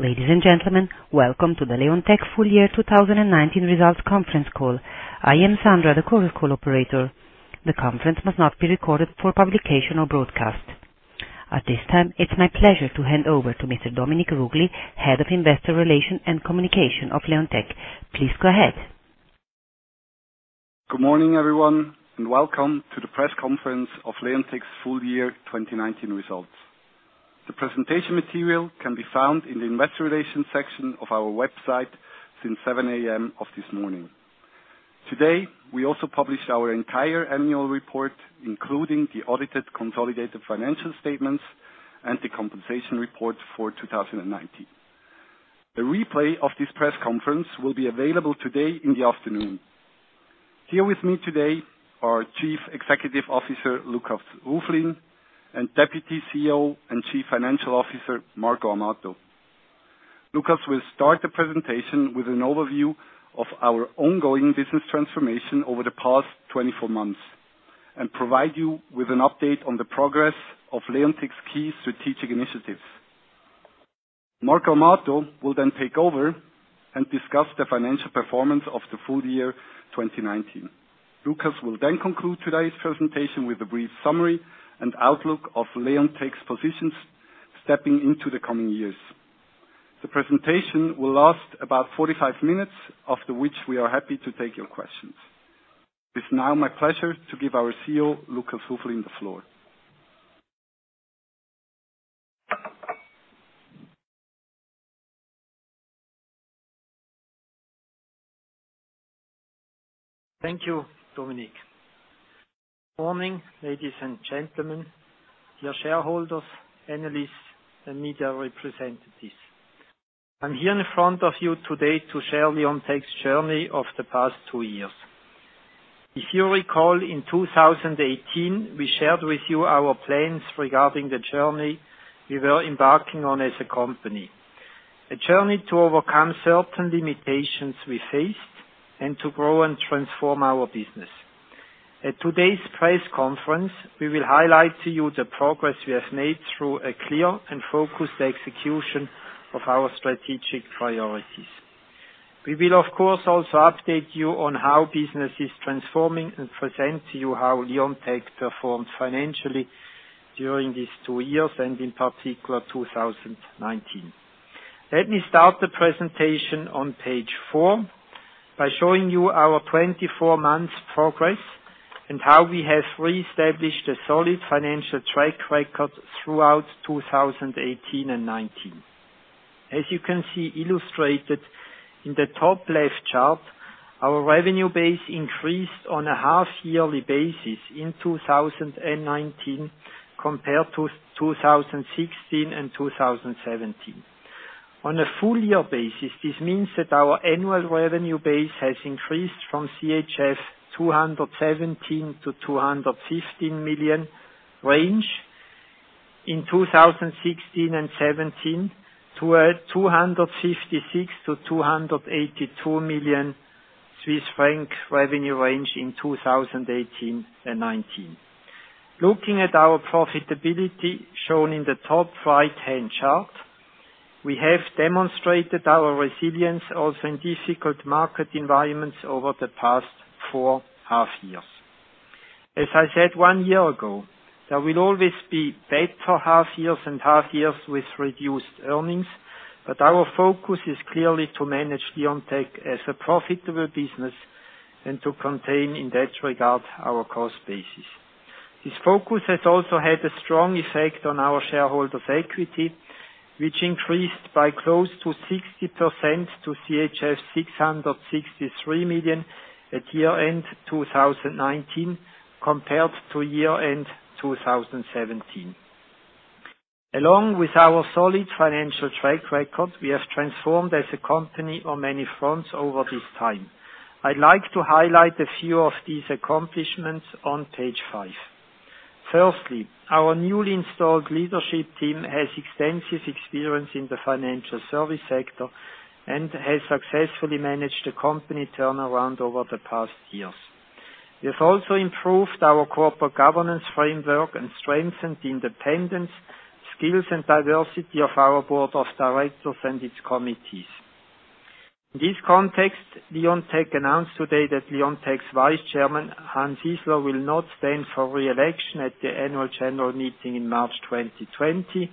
Ladies and gentlemen, welcome to the Leonteq full year 2019 results conference call. I am Sandra, the conference call operator. The conference must not be recorded for publication or broadcast. At this time, it's my pleasure to hand over to Mr. Dominik Ruggli, Head of Investor Relations and Communication of Leonteq. Please go ahead. Good morning, everyone. Welcome to the press conference of Leonteq's full year 2019 results. The presentation material can be found in the Investor Relations section of our website since 7:00 A.M. of this morning. Today, we also publish our entire annual report, including the audited consolidated financial statements and the compensation report for 2019. A replay of this press conference will be available today in the afternoon. Here with me today are Chief Executive Officer, Lukas Ruflin, and Deputy CEO and Chief Financial Officer, Marco Amato. Lukas will start the presentation with an overview of our ongoing business transformation over the past 24 months and provide you with an update on the progress of Leonteq's key strategic initiatives. Marco Amato will take over and discuss the financial performance of the full year 2019. Lukas will conclude today's presentation with a brief summary and outlook of Leonteq's positions stepping into the coming years. The presentation will last about 45 minutes, after which we are happy to take your questions. It's now my pleasure to give our CEO, Lukas Ruflin, the floor. Thank you, Dominik. Morning, ladies and gentlemen, dear shareholders, analysts, and media representatives. I'm here in front of you today to share Leonteq's journey of the past two years. If you recall, in 2018, we shared with you our plans regarding the journey we were embarking on as a company. A journey to overcome certain limitations we faced, and to grow and transform our business. At today's press conference, we will highlight to you the progress we have made through a clear and focused execution of our strategic priorities. We will, of course, also update you on how business is transforming and present to you how Leonteq performed financially during these two years, and in particular 2019. Let me start the presentation on page four by showing you our 24 months progress and how we have re-established a solid financial track record throughout 2018 and 2019. As you can see illustrated in the top left chart, our revenue base increased on a half yearly basis in 2019 compared to 2016 and 2017. On a full year basis, this means that our annual revenue base has increased from 217 million-215 million CHF range in 2016 and 2017, to a 256 million-282 million Swiss franc revenue range in 2018 and 2019. Looking at our profitability shown in the top right-hand chart, we have demonstrated our resilience also in difficult market environments over the past four half years. As I said one year ago, there will always be better half years and half years with reduced earnings. Our focus is clearly to manage Leonteq as a profitable business and to contain, in that regard, our cost basis. This focus has also had a strong effect on our shareholders' equity, which increased by close to 60% to CHF 663 million at year-end 2019, compared to year-end 2017. Along with our solid financial track record, we have transformed as a company on many fronts over this time. I'd like to highlight a few of these accomplishments on page five. Firstly, our newly installed leadership team has extensive experience in the financial service sector and has successfully managed the company turnaround over the past years. We have also improved our corporate governance framework and strengthened the independence, skills, and diversity of our board of directors and its committees. In this context, Leonteq announced today that Leonteq's Vice Chairman, Hans Isler, will not stand for re-election at the annual general meeting in March 2020,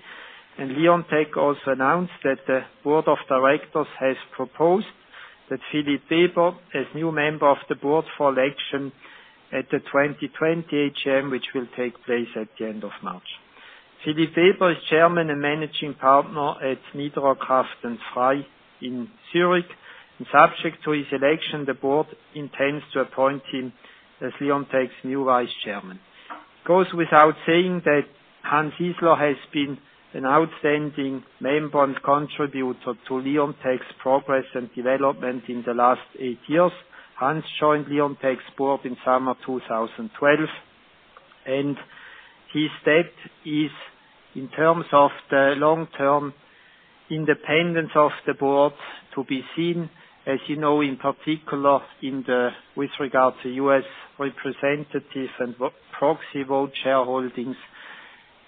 Leonteq also announced that the board of directors has proposed that Philippe Weber as new member of the board for election at the 2020 AGM, which will take place at the end of March. Philippe Weber is chairman and managing partner at Niederer Kraft Frey in Zurich, Subject to his election, the board intends to appoint him as Leonteq's new Vice Chairman. It goes without saying that Hans Isler has been an outstanding member and contributor to Leonteq's progress and development in the last eight years. His step is, in terms of the long-term independence of the board to be seen, as you know, in particular with regard to U.S. representatives and proxy vote shareholdings.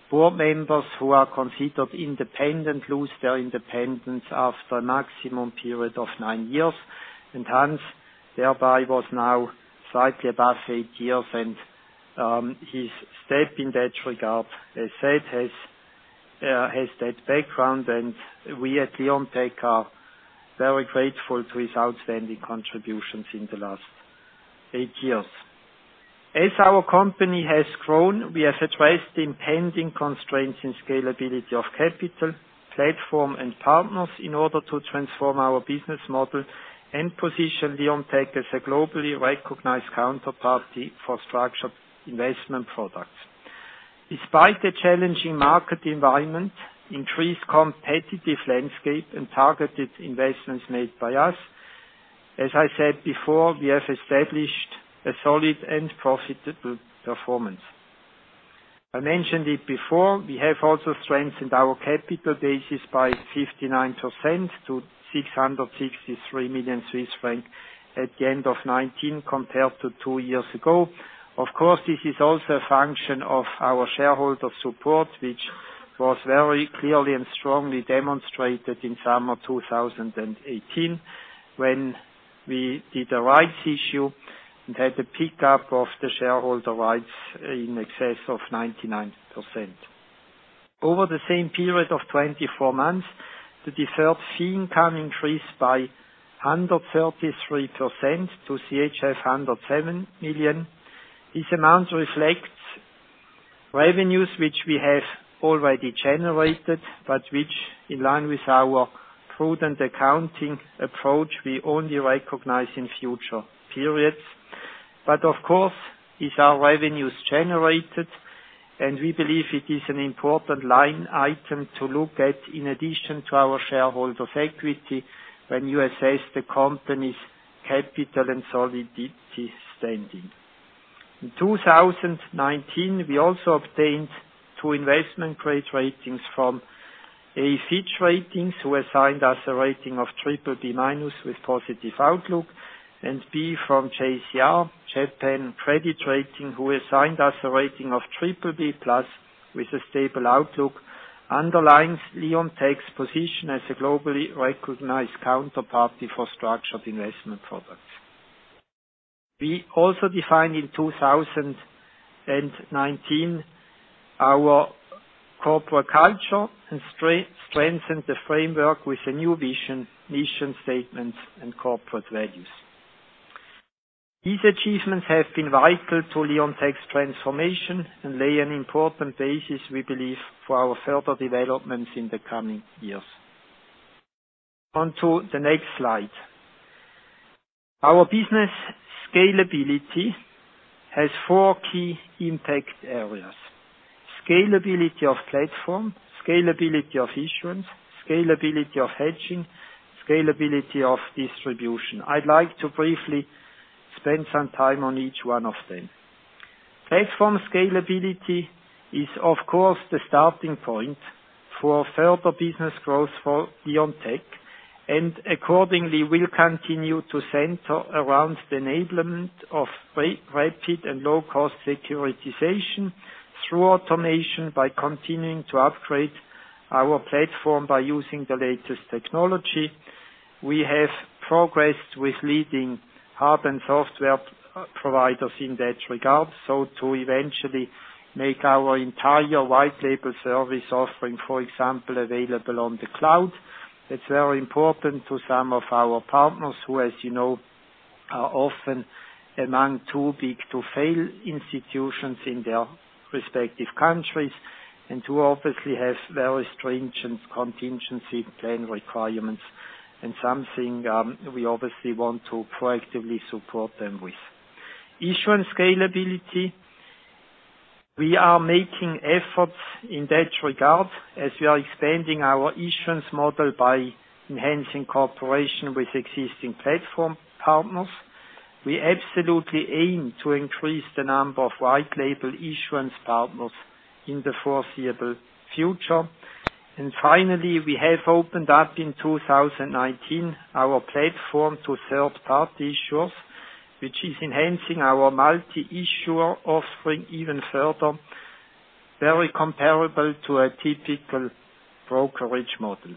Board members who are considered independent lose their independence after a maximum period of nine years. Hans, thereby, was now slightly above eight years, and his step in that regard, as said, has that background, and we at Leonteq are very grateful to his outstanding contributions in the last eight years. As our company has grown, we have addressed impending constraints and scalability of capital, platform, and partners in order to transform our business model and position Leonteq as a globally recognized counterparty for structured investment products. Despite the challenging market environment, increased competitive landscape, and targeted investments made by us, as I said before, we have established a solid and profitable performance. I mentioned it before, we have also strengthened our capital basis by 59% to 663 million Swiss francs at the end of 2019 compared to two years ago. Of course, this is also a function of our shareholder support, which was very clearly and strongly demonstrated in summer 2018 when we did a rights issue and had a pickup of the shareholder rights in excess of 99%. Over the same period of 24 months, the deferred fee income increased by 133% to CHF 107 million. This amount reflects revenues which we have already generated, but which, in line with our prudent accounting approach, we only recognize in future periods. Of course, it's our revenues generated, and we believe it is an important line item to look at in addition to our shareholder's equity when you assess the company's capital and solidity standing. In 2019, we also obtained two investment-grade ratings from Fitch Ratings, who assigned us a rating of BBB minus with positive outlook, and from JCR, Japan Credit Rating, who assigned us a rating of BBB plus with a stable outlook, underlines Leonteq's position as a globally recognized counterparty for structured investment products. We also defined in 2019 our corporate culture and strengthened the framework with a new vision, mission statements, and corporate values. These achievements have been vital to Leonteq's transformation and lay an important basis, we believe, for our further developments in the coming years. On to the next slide. Our business scalability has four key impact areas. Scalability of platform, scalability of issuance, scalability of hedging, scalability of distribution. I'd like to briefly spend some time on each one of them. Platform scalability is, of course, the starting point for further business growth for Leonteq, and accordingly will continue to center around the enablement of rapid and low-cost securitization through automation by continuing to upgrade our platform by using the latest technology. We have progressed with leading hard and software providers in that regard, so to eventually make our entire white label service offering, for example, available on the cloud. It's very important to some of our partners who, as you know, are often among too big to fail institutions in their respective countries and who obviously have very stringent contingency plan requirements and something we obviously want to proactively support them with. Issuance scalability. We are making efforts in that regard as we are expanding our issuance model by enhancing cooperation with existing platform partners. We absolutely aim to increase the number of white label issuance partners in the foreseeable future. Finally, we have opened up in 2019 our platform to third-party issuers, which is enhancing our multi-issuer offering even further, very comparable to a typical brokerage model.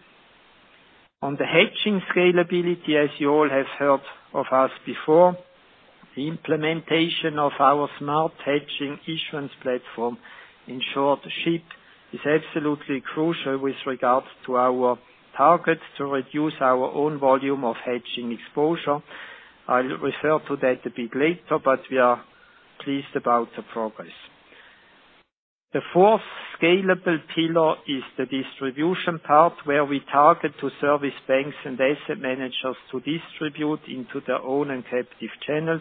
On the hedging scalability, as you all have heard of us before, the implementation of our Smart Hedging Issuance Platform, in short, SHIP, is absolutely crucial with regards to our target to reduce our own volume of hedging exposure. I'll refer to that a bit later, but we are pleased about the progress. The fourth scalable pillar is the distribution part, where we target to service banks and asset managers to distribute into their own and captive channels.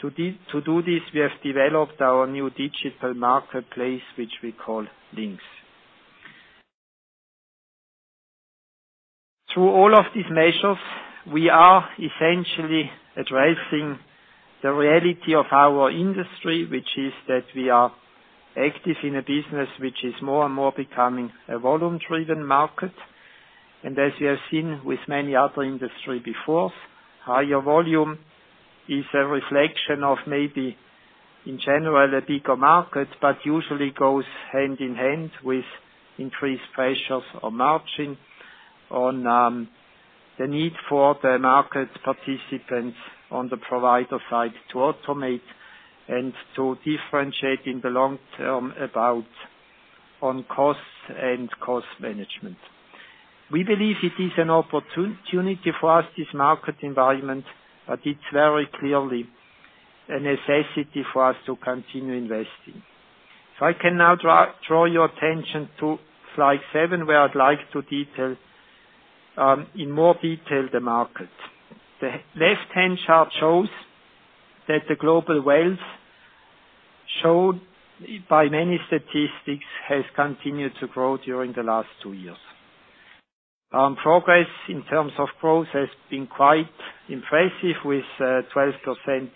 To do this, we have developed our new digital marketplace, which we call LynQs. Through all of these measures, we are essentially addressing the reality of our industry, which is that we are active in a business which is more and more becoming a volume-driven market. As we have seen with many other industries before, higher volume is a reflection of maybe in general a bigger market, but usually goes hand in hand with increased pressures on margin, on the need for the market participants on the provider side to automate and to differentiate in the long term on costs and cost management. We believe it is an opportunity for us, this market environment, but it's very clearly a necessity for us to continue investing. I can now draw your attention to slide seven, where I'd like to detail more the market. The left-hand chart shows that the global wealth showed by many statistics has continued to grow during the last two years. Progress in terms of growth has been quite impressive, with 12%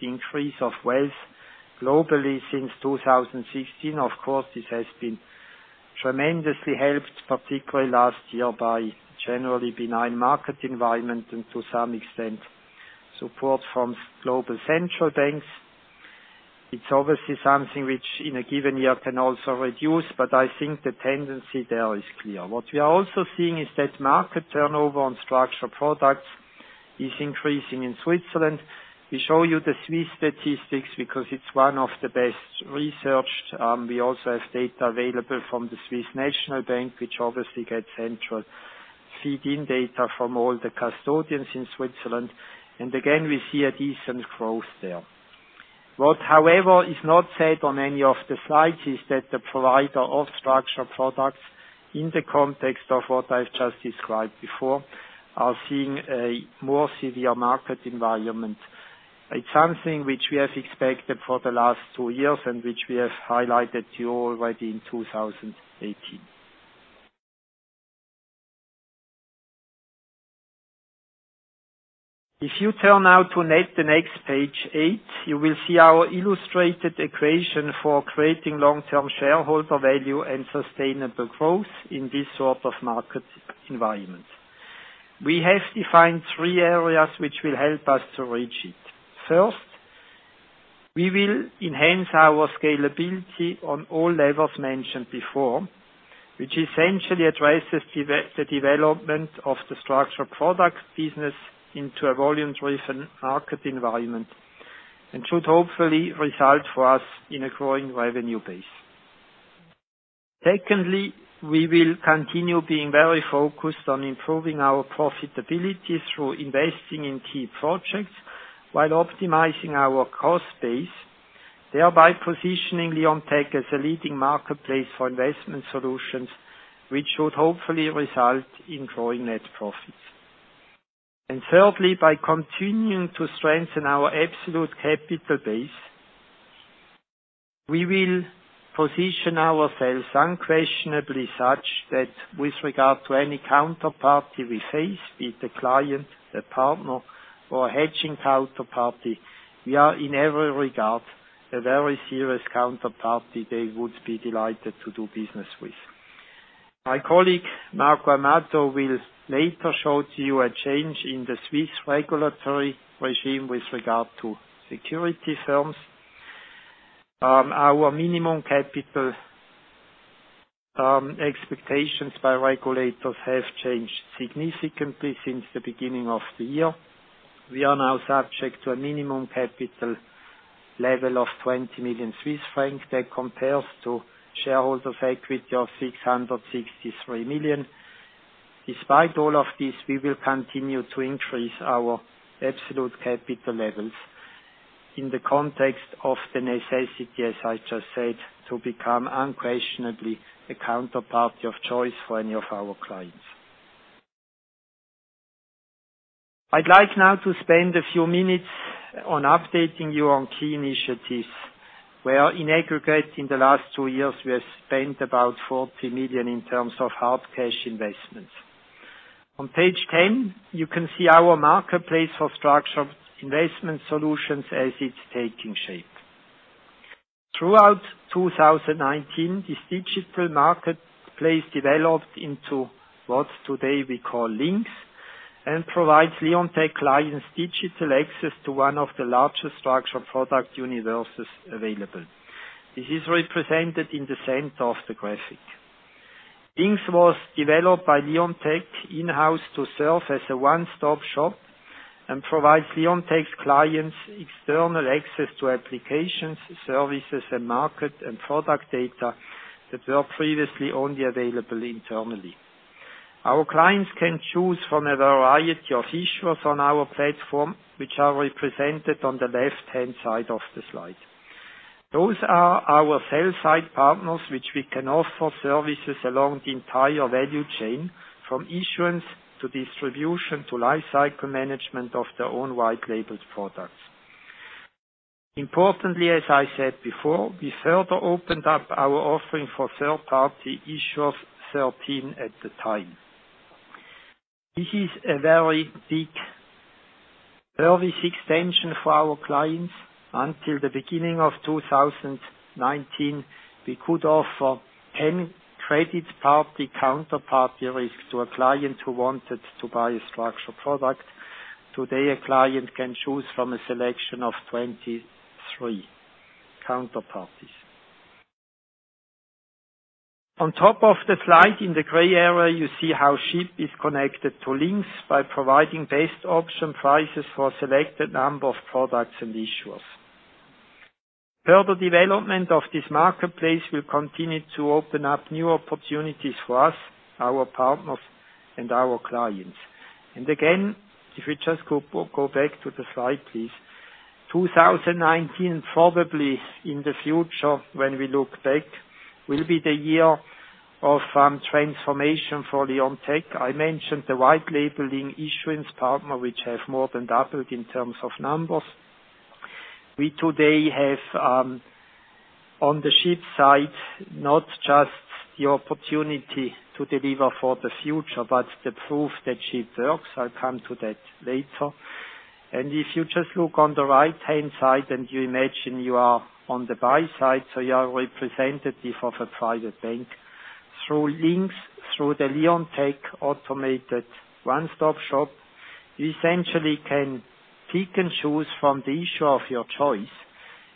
increase of wealth globally since 2016. Of course, this has been tremendously helped, particularly last year, by generally benign market environment and to some extent, support from global central banks. It's obviously something which in a given year can also reduce, but I think the tendency there is clear. What we are also seeing is that market turnover on structured products is increasing in Switzerland. We show you the Swiss statistics because it's one of the best researched. We also have data available from the Swiss National Bank, which obviously gets central feed-in data from all the custodians in Switzerland. Again, we see a decent growth there. What, however, is not said on any of the slides is that the provider of structured products, in the context of what I've just described before, are seeing a more severe market environment. It's something which we have expected for the last two years and which we have highlighted to you already in 2018. If you turn now to the next page, eight, you will see our illustrated equation for creating long-term shareholder value and sustainable growth in this sort of market environment. We have defined three areas which will help us to reach it. First, we will enhance our scalability on all levels mentioned before, which essentially addresses the development of the structured products business into a volume-driven market environment and should hopefully result for us in a growing revenue base. Secondly, we will continue being very focused on improving our profitability through investing in key projects while optimizing our cost base, thereby positioning Leonteq as a leading marketplace for investment solutions, which should hopefully result in growing net profits. Thirdly, by continuing to strengthen our absolute capital base, we will position ourselves unquestionably such that with regard to any counterparty we face, be it the client, the partner, or hedging counterparty, we are in every regard a very serious counterparty they would be delighted to do business with. My colleague, Marco Amato, will later show to you a change in the Swiss regulatory regime with regard to security firms. Our minimum capital expectations by regulators have changed significantly since the beginning of the year. We are now subject to a minimum capital level of 20 million Swiss francs. That compares to shareholders' equity of 663 million. Despite all of this, we will continue to increase our absolute capital levels in the context of the necessity, as I just said, to become unquestionably the counterparty of choice for any of our clients. I'd like now to spend a few minutes on updating you on key initiatives where in aggregate in the last two years, we have spent about 40 million in terms of hard cash investments. On page 10, you can see our marketplace for structured investment solutions as it's taking shape. Throughout 2019, this digital marketplace developed into what today we call LynQs and provides Leonteq clients digital access to one of the largest structured product universes available. This is represented in the center of the graphic. LynQs was developed by Leonteq in-house to serve as a one-stop shop and provides Leonteq's clients external access to applications, services, and market and product data that were previously only available internally. Our clients can choose from a variety of issuers on our platform, which are represented on the left-hand side of the slide. Those are our sell-side partners, which we can offer services along the entire value chain, from issuance to distribution to lifecycle management of their own white-labeled products. Importantly, as I said before, we further opened up our offering for third-party issuers 13 at the time. This is a very big service extension for our clients. Until the beginning of 2019, we could offer 10 credit party counterparty risks to a client who wanted to buy a structured product. Today, a client can choose from a selection of 23 counterparties. On top of the slide in the gray area, you see how SHIP is connected to LynQs by providing best option prices for a selected number of products and issuers. Further development of this marketplace will continue to open up new opportunities for us, our partners, and our clients. If we just go back to the slide, please. 2019, probably in the future when we look back, will be the year of transformation for Leonteq. I mentioned the white labeling issuance partner, which has more than doubled in terms of numbers. We today have, on the SHIP side, not just the opportunity to deliver for the future, but the proof that SHIP works. I'll come to that later. If you just look on the right-hand side and you imagine you are on the buy side, you are a representative of a private bank. Through LynQs, through the Leonteq automated one-stop shop, you essentially can pick and choose from the issuer of your choice.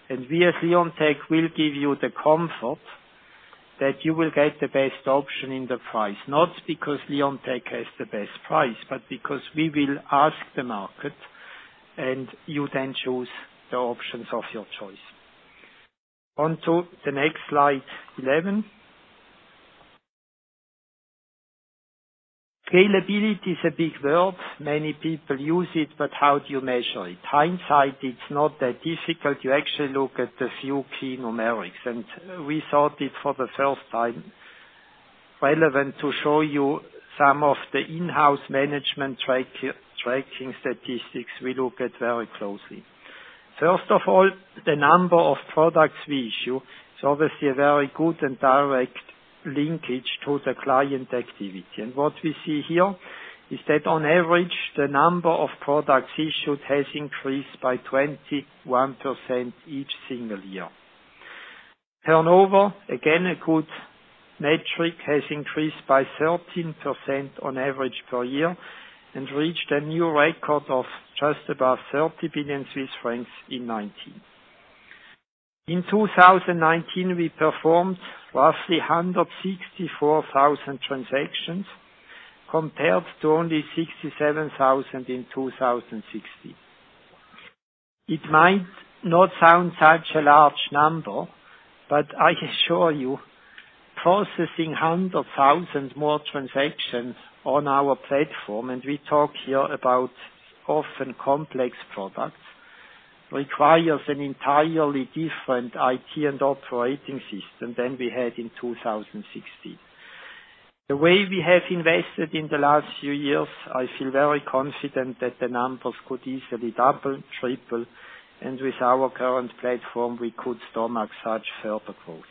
We as Leonteq will give you the comfort that you will get the best option in the price, not because Leonteq has the best price, but because we will ask the market, and you then choose the options of your choice. On to the next slide, 11. Scalability is a big word. Many people use it, but how do you measure it? Hindsight, it's not that difficult. You actually look at a few key numerics, and we thought it, for the first time, relevant to show you some of the in-house management tracking statistics we look at very closely. First of all, the number of products we issue is obviously a very good and direct linkage to the client activity. What we see here is that on average, the number of products issued has increased by 21% each single year. Turnover, again, a good metric, has increased by 13% on average per year and reached a new record of just above 30 billion Swiss francs in 2019. In 2019, we performed roughly 164,000 transactions compared to only 67,000 in 2016. It might not sound like a large number, but I assure you, processing 100,000 more transactions on our platform, and we talk here about often complex products, requires an entirely different IT and operating system than we had in 2016. The way we have invested in the last few years, I feel very confident that the numbers could easily double, triple, and with our current platform, we could stomach such further growth.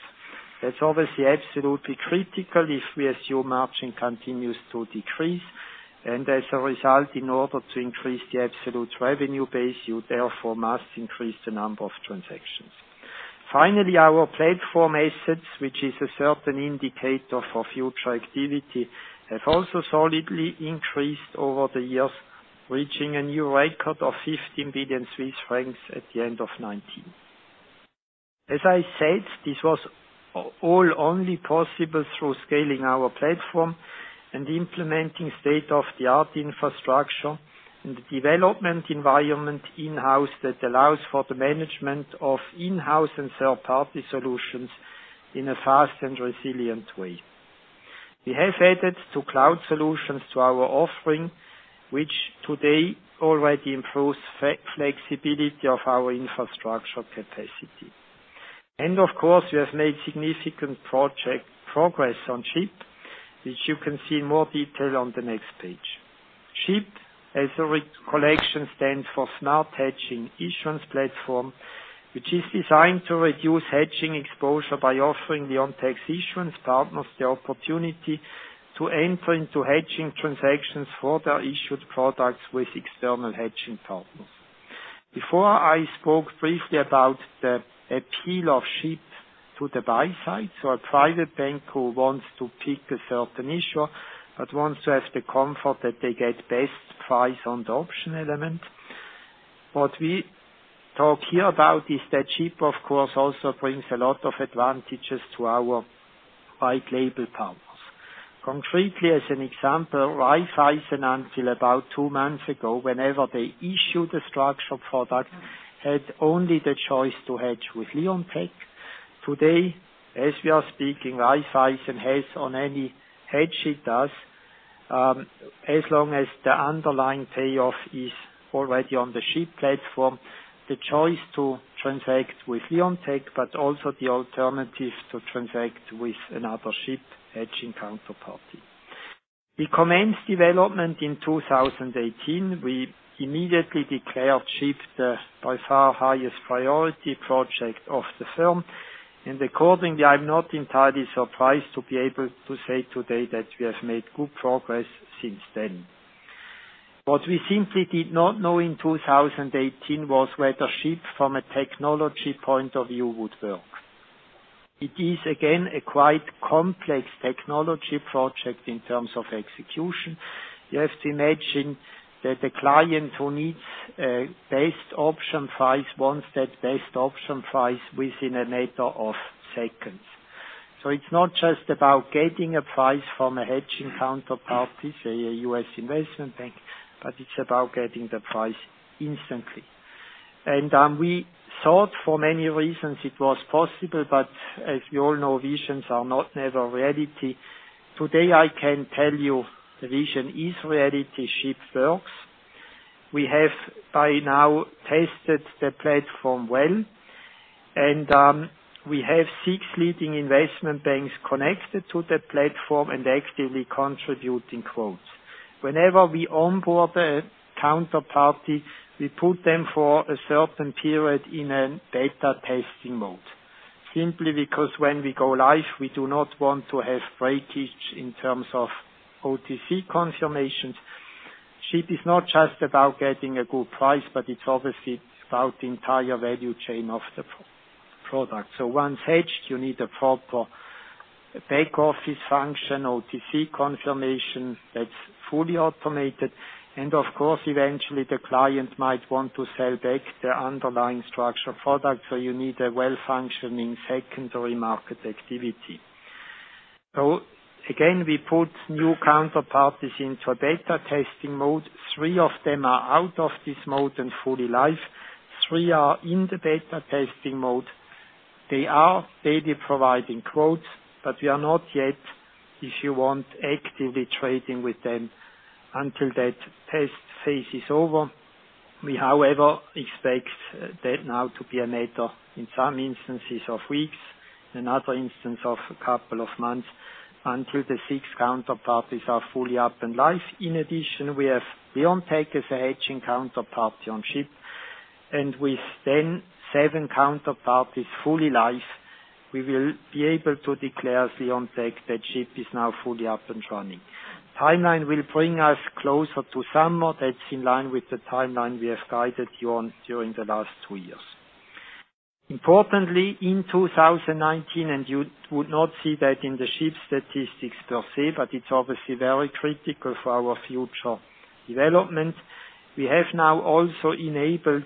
That's obviously absolutely critical if we assume margin continues to decrease. As a result, in order to increase the absolute revenue base, you therefore must increase the number of transactions. Finally, our platform assets, which is a certain indicator for future activity, have also solidly increased over the years, reaching a new record of 15 billion Swiss francs at the end of 2019. As I said, this was all only possible through scaling our platform and implementing state-of-the-art infrastructure and development environment in-house that allows for the management of in-house and third-party solutions in a fast and resilient way. We have added two cloud solutions to our offering, which today already improves flexibility of our infrastructure capacity. Of course, we have made significant progress on SHIP, which you can see in more detail on the next page. SHIP, as a recollection, stands for Smart Hedging Issuance Platform, which is designed to reduce hedging exposure by offering the Leonteq issuance partners the opportunity to enter into hedging transactions for their issued products with external hedging partners. Before I spoke briefly about the appeal of SHIP to the buy side. A private bank who wants to pick a certain issuer but wants to have the comfort that they get best price on the option element. What we talk here about is that SHIP, of course, also brings a lot of advantages to our white label partners. Concretely, as an example, Raiffeisen until about two months ago, whenever they issued a structured product, had only the choice to hedge with Leonteq. Today, as we are speaking, Raiffeisen has on any hedge it does, as long as the underlying payoff is already on the SHIP platform, the choice to transact with Leonteq, but also the alternative to transact with another SHIP hedging counterparty. We commenced development in 2018. We immediately declared SHIP the by far highest priority project of the firm. Accordingly, I'm not entirely surprised to be able to say today that we have made good progress since then. What we simply did not know in 2018 was whether SHIP from a technology point of view would work. It is, again, a quite complex technology project in terms of execution. You have to imagine that the client who needs best option price wants that best option price within a matter of seconds. It's not just about getting a price from a hedging counterparties, say, a U.S. investment bank, but it's about getting the price instantly. We thought for many reasons it was possible, but as you all know, visions are not never reality. Today, I can tell you the vision is reality. SHIP works. We have by now tested the platform well, and we have six leading investment banks connected to the platform and actively contributing quotes. Whenever we onboard a counterparty, we put them for a certain period in a beta testing mode. Simply because when we go live, we do not want to have breakage in terms of OTC confirmations. SHIP is not just about getting a good price, but it's obviously about the entire value chain of the product. Once hedged, you need a proper back office function, OTC confirmation that's fully automated, and of course, eventually the client might want to sell back the underlying structured product. You need a well-functioning secondary market activity. Again, we put new counterparties into a beta testing mode. Three of them are out of this mode and fully live. Three are in the beta testing mode. They are daily providing quotes, but we are not yet, if you want, actively trading with them until that test phase is over. We, however, expect that now to be a matter, in some instances, of weeks. Another instance of a couple of months, until the six counterparties are fully up and live. In addition, we have Leonteq as a hedging counterparty on SHIP, and with then seven counterparties fully live, we will be able to declare at Leonteq that SHIP is now fully up and running. Timeline will bring us closer to summer. That's in line with the timeline we have guided you on during the last two years. Importantly, in 2019, and you would not see that in the SHIP statistics per se, but it's obviously very critical for our future development. We have now also enabled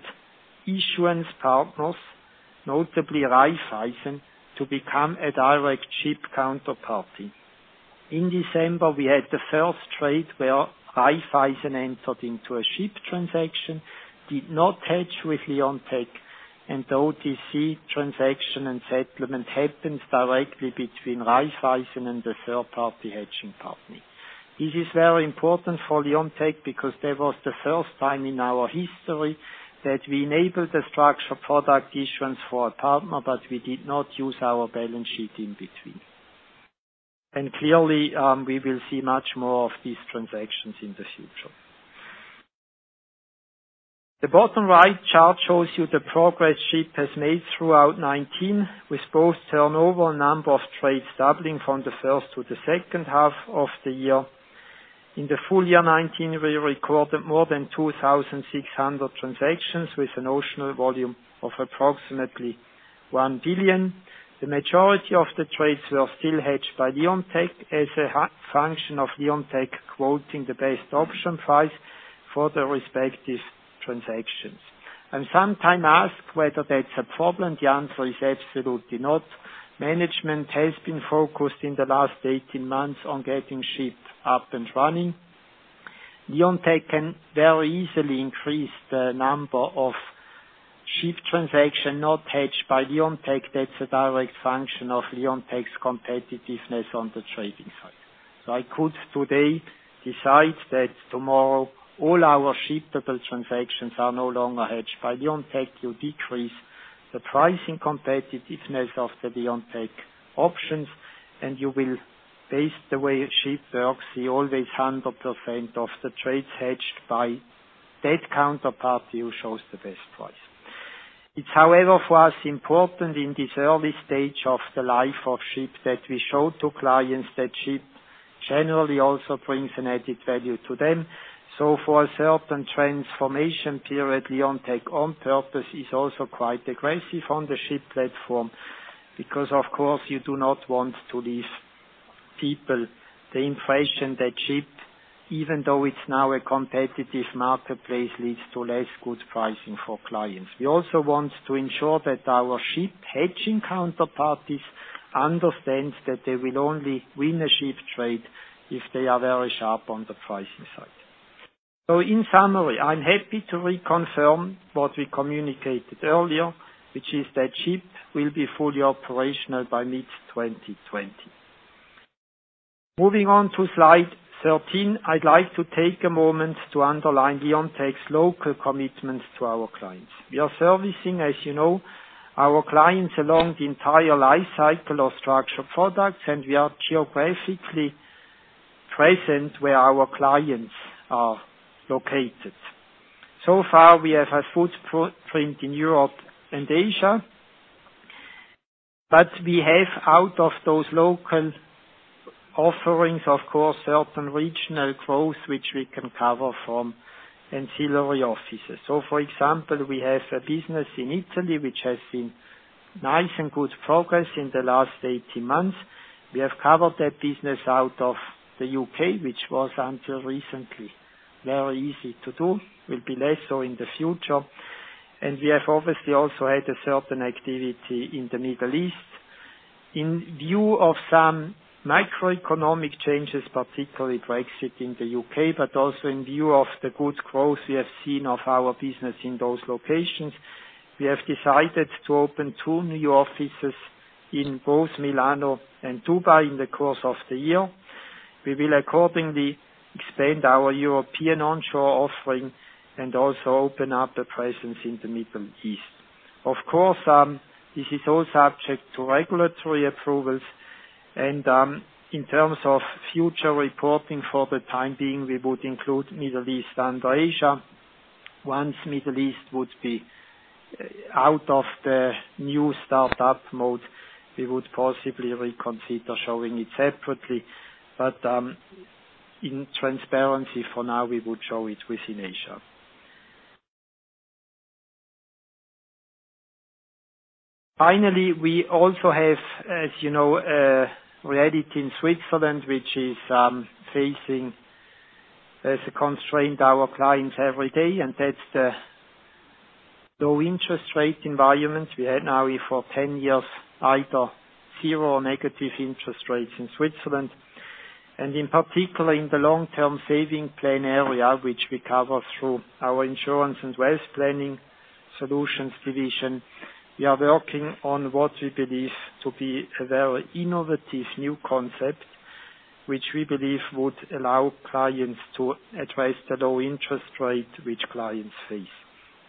issuance partners, notably Raiffeisen, to become a direct SHIP counterparty. In December, we had the first trade where Raiffeisen entered into a SHIP transaction, did not hedge with Leonteq, and the OTC transaction and settlement happened directly between Raiffeisen and the third-party hedging partner. This is very important for Leonteq because that was the first time in our history that we enabled a structured product issuance for a partner, but we did not use our balance sheet in between. Clearly, we will see much more of these transactions in the future. The bottom right chart shows you the progress SHIP has made throughout 2019, with both turnover and number of trades doubling from the first to the second half of the year. In the full year 2019, we recorded more than 2,600 transactions with a notional volume of approximately 1 billion. The majority of the trades were still hedged by Leonteq as a function of Leonteq quoting the best option price for the respective transactions. Sometime asked whether that's a problem, the answer is absolutely not. Management has been focused in the last 18 months on getting SHIP up and running. Leonteq can very easily increase the number of SHIP transaction not hedged by Leonteq. That's a direct function of Leonteq's competitiveness on the trading side. I could today decide that tomorrow all our SHIP-able transactions are no longer hedged by Leonteq. You decrease the pricing competitiveness of the Leonteq options, and you will base the way SHIP works. See always 100% of the trades hedged by that counterparty who shows the best price. It's however, for us, important in this early stage of the life of SHIP that we show to clients that SHIP generally also brings an added value to them. For a certain transformation period, Leonteq on purpose is also quite aggressive on the SHIP platform because of course, you do not want to leave people the impression that SHIP, even though it's now a competitive marketplace, leads to less good pricing for clients. We also want to ensure that our SHIP hedging counterparties understand that they will only win a SHIP trade if they are very sharp on the pricing side. In summary, I'm happy to reconfirm what we communicated earlier, which is that SHIP will be fully operational by mid-2020. Moving on to slide 13, I'd like to take a moment to underline Leonteq's local commitments to our clients. We are servicing, as you know, our clients along the entire life cycle of structured products, and we are geographically present where our clients are located. Far, we have a footprint in Europe and Asia. We have, out of those local offerings, of course, certain regional growth which we can cover from ancillary offices. For example, we have a business in Italy, which has seen nice and good progress in the last 18 months. We have covered that business out of the U.K., which was until recently very easy to do, will be less so in the future. We have obviously also had a certain activity in the Middle East. In view of some macroeconomic changes, particularly Brexit in the U.K., but also in view of the good growth we have seen of our business in those locations. We have decided to open two new offices in both Milano and Dubai in the course of the year. We will accordingly expand our European onshore offering and also open up a presence in the Middle East. Of course, this is all subject to regulatory approvals and, in terms of future reporting, for the time being, we would include Middle East under Asia. Once Middle East would be out of the new startup mode, we would possibly reconsider showing it separately. In transparency for now, we would show it within Asia. We also have, as you know, a reality in Switzerland, which is facing as a constraint our clients every day, and that's the low interest rate environment we had now for 10 years, either zero or negative interest rates in Switzerland. In particular, in the long-term saving plan area, which we cover through our insurance and wealth planning solutions division. We are working on what we believe to be a very innovative new concept, which we believe would allow clients to address the low interest rate which clients face.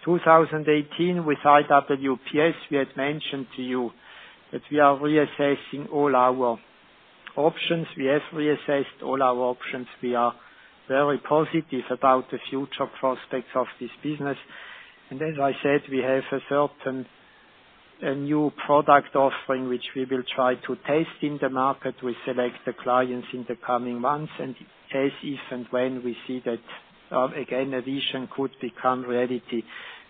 2018, with IWPS, we had mentioned to you that we are reassessing all our options. We have reassessed all our options. We are very positive about the future prospects of this business. As I said, we have a certain, a new product offering, which we will try to test in the market. We select the clients in the coming months, and as if and when we see that, again, addition could become reality,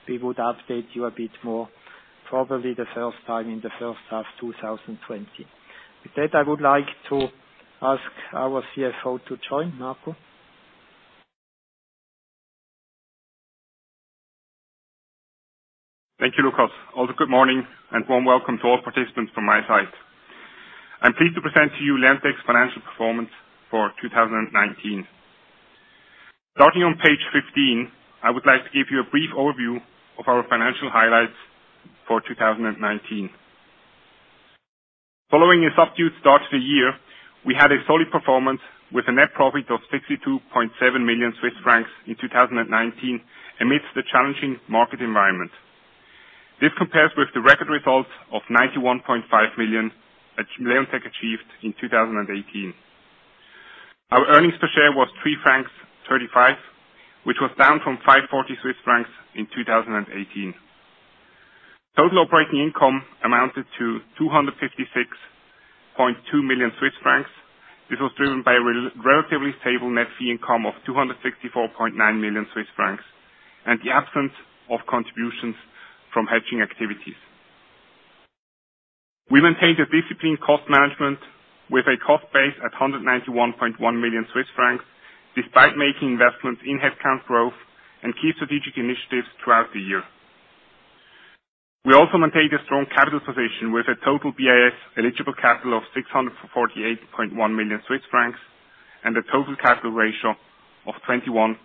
we would update you a bit more, probably the first time in the first half 2020. With that, I would like to ask our CFO to join. Marco? Thank you, Lukas. Good morning and warm welcome to all participants from my side. I am pleased to present to you Leonteq's financial performance for 2019. Starting on page 15, I would like to give you a brief overview of our financial highlights for 2019. Following a subdued start to the year, we had a solid performance with a net profit of 62.7 million Swiss francs in 2019 amidst the challenging market environment. This compares with the record results of 91.5 million that Leonteq achieved in 2018. Our earnings per share was 3.35 francs, which was down from 5.40 Swiss francs in 2018. Total operating income amounted to 256.2 million Swiss francs. This was driven by a relatively stable net fee income of 264.9 million Swiss francs and the absence of contributions from hedging activities. We maintained a disciplined cost management with a cost base at 191.1 million Swiss francs, despite making investments in headcount growth and key strategic initiatives throughout the year. We also maintained a strong capital position with a total BIS-eligible capital of 648.1 million Swiss francs and a total capital ratio of 21.1%.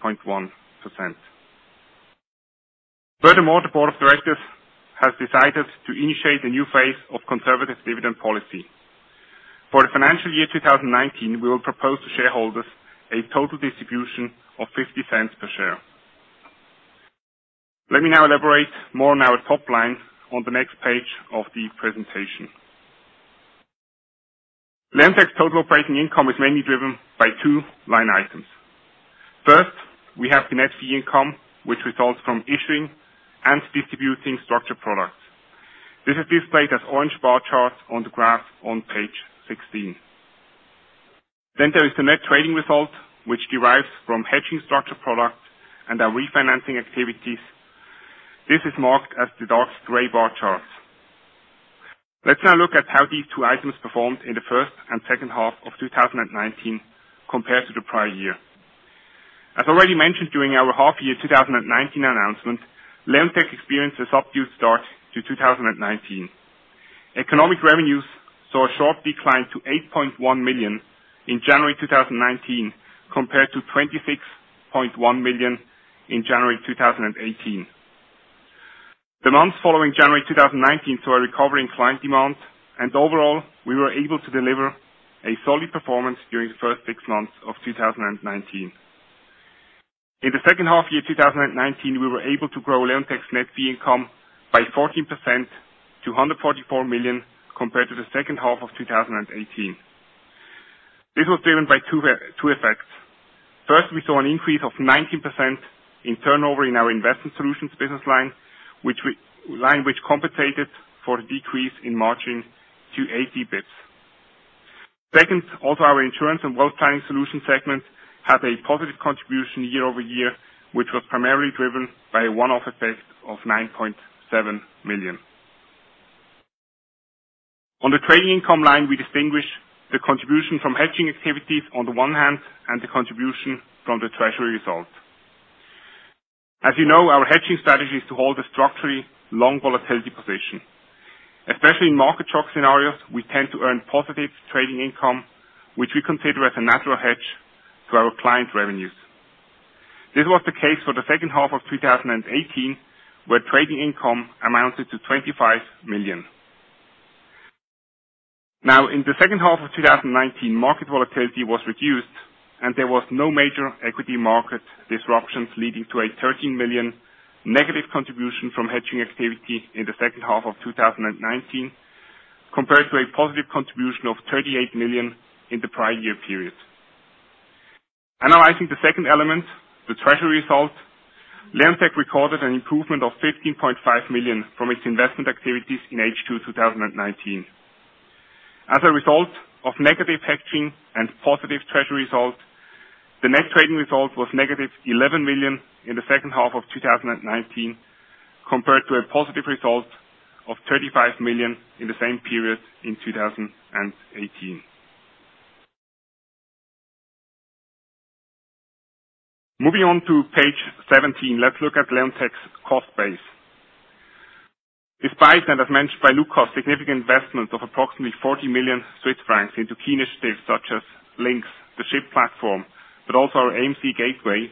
Furthermore, the board of directors has decided to initiate a new phase of conservative dividend policy. For the financial year 2019, we will propose to shareholders a total distribution of 0.50 per share. Let me now elaborate more on our top line on the next page of the presentation. Leonteq's total operating income is mainly driven by two line items. First, we have the net fee income, which results from issuing and distributing structured products. This is displayed as orange bar chart on the graph on page 16. There is the net trading result, which derives from hedging structured product and our refinancing activities. This is marked as the dark gray bar chart. Let's now look at how these two items performed in the first and second half of 2019 compared to the prior year. As already mentioned during our half year 2019 announcement, Leonteq experienced a subdued start to 2019. Economic revenues saw a sharp decline to 8.1 million in January 2019, compared to 26.1 million in January 2018. The months following January 2019 saw a recovery in client demand, and overall, we were able to deliver a solid performance during the first six months of 2019. In the second half year 2019, we were able to grow Leonteq's net fee income by 14% to 144 million, compared to the second half of 2018. This was driven by two effects. First, we saw an increase of 19% in turnover in our investment solutions business line which compensated for the decrease in margin to 80 basis points. Second, also our insurance and wealth planning solutions segment had a positive contribution year-over-year, which was primarily driven by a one-off effect of 9.7 million. On the trading income line, we distinguish the contribution from hedging activities on the one hand, and the contribution from the treasury result. As you know, our hedging strategy is to hold a structurally long volatility position. Especially in market shock scenarios, we tend to earn positive trading income, which we consider as a natural hedge to our client revenues. This was the case for the second half of 2018, where trading income amounted to 25 million. In the second half of 2019, market volatility was reduced and there was no major equity market disruptions leading to a 13 million negative contribution from hedging activity in the second half of 2019, compared to a positive contribution of 38 million in the prior year period. Analyzing the second element, the treasury result, Leonteq recorded an improvement of 15.5 million from its investment activities in H2 2019. As a result of negative hedging and positive treasury result, the net trading result was negative 11 million in the second half of 2019, compared to a positive result of 35 million in the same period in 2018. Moving on to page 17, let's look at Leonteq's cost base. Despite, as mentioned by Lukas, significant investment of approximately 40 million Swiss francs into key initiatives such as LynQs, the SHIP platform, but also our AMC Gateway,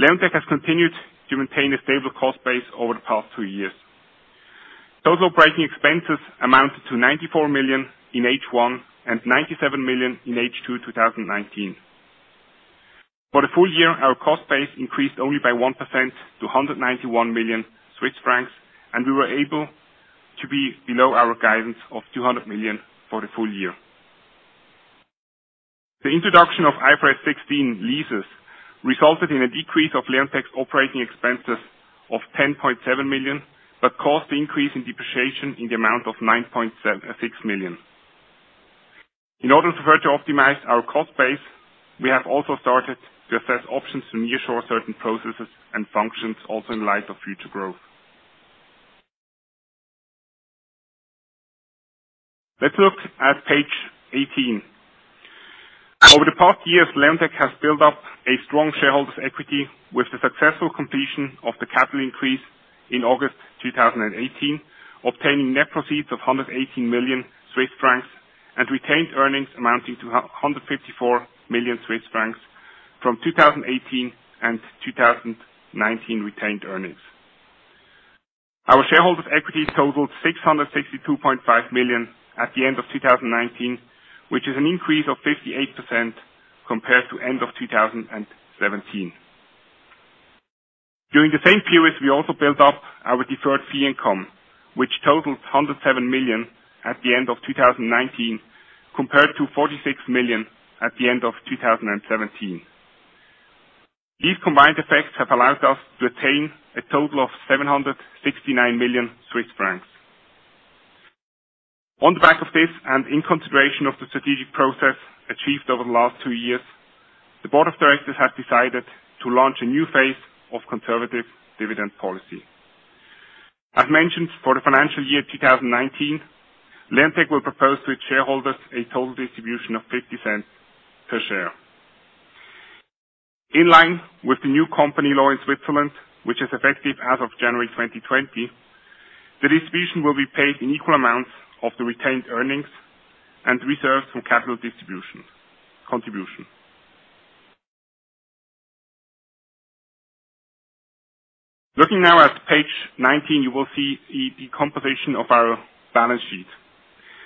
Leonteq has continued to maintain a stable cost base over the past two years. Total operating expenses amounted to 94 million in H1 and 97 million in H2 2019. For the full year, our cost base increased only by 1% to 191 million Swiss francs, we were able to be below our guidance of 200 million for the full year. The introduction of IFRS 16 leases resulted in a decrease of Leonteq's operating expenses of 10.7 million, caused the increase in depreciation in the amount of 9.6 million. In order to optimize our cost base, we have also started to assess options to nearshore certain processes and functions, also in light of future growth. Let's look at page 18. Over the past years, Leonteq has built up a strong shareholders' equity with the successful completion of the capital increase in August 2018, obtaining net proceeds of 118 million Swiss francs and retained earnings amounting to 154 million Swiss francs from 2018 and 2019 retained earnings. Our shareholders' equity totaled 662.5 million at the end of 2019, which is an increase of 58% compared to end of 2017. During the same period, we also built up our deferred fee income, which totals 107 million at the end of 2019, compared to 46 million at the end of 2017. These combined effects have allowed us to attain a total of 769 million Swiss francs. On the back of this, and in consideration of the strategic process achieved over the last two years, the board of directors has decided to launch a new phase of conservative dividend policy. As mentioned, for the financial year 2019, Leonteq will propose to its shareholders a total distribution of 0.50 per share. In line with the new company law in Switzerland, which is effective as of January 2020, the distribution will be paid in equal amounts of the retained earnings and reserves from capital contribution. Looking now at page 19, you will see the composition of our balance sheet.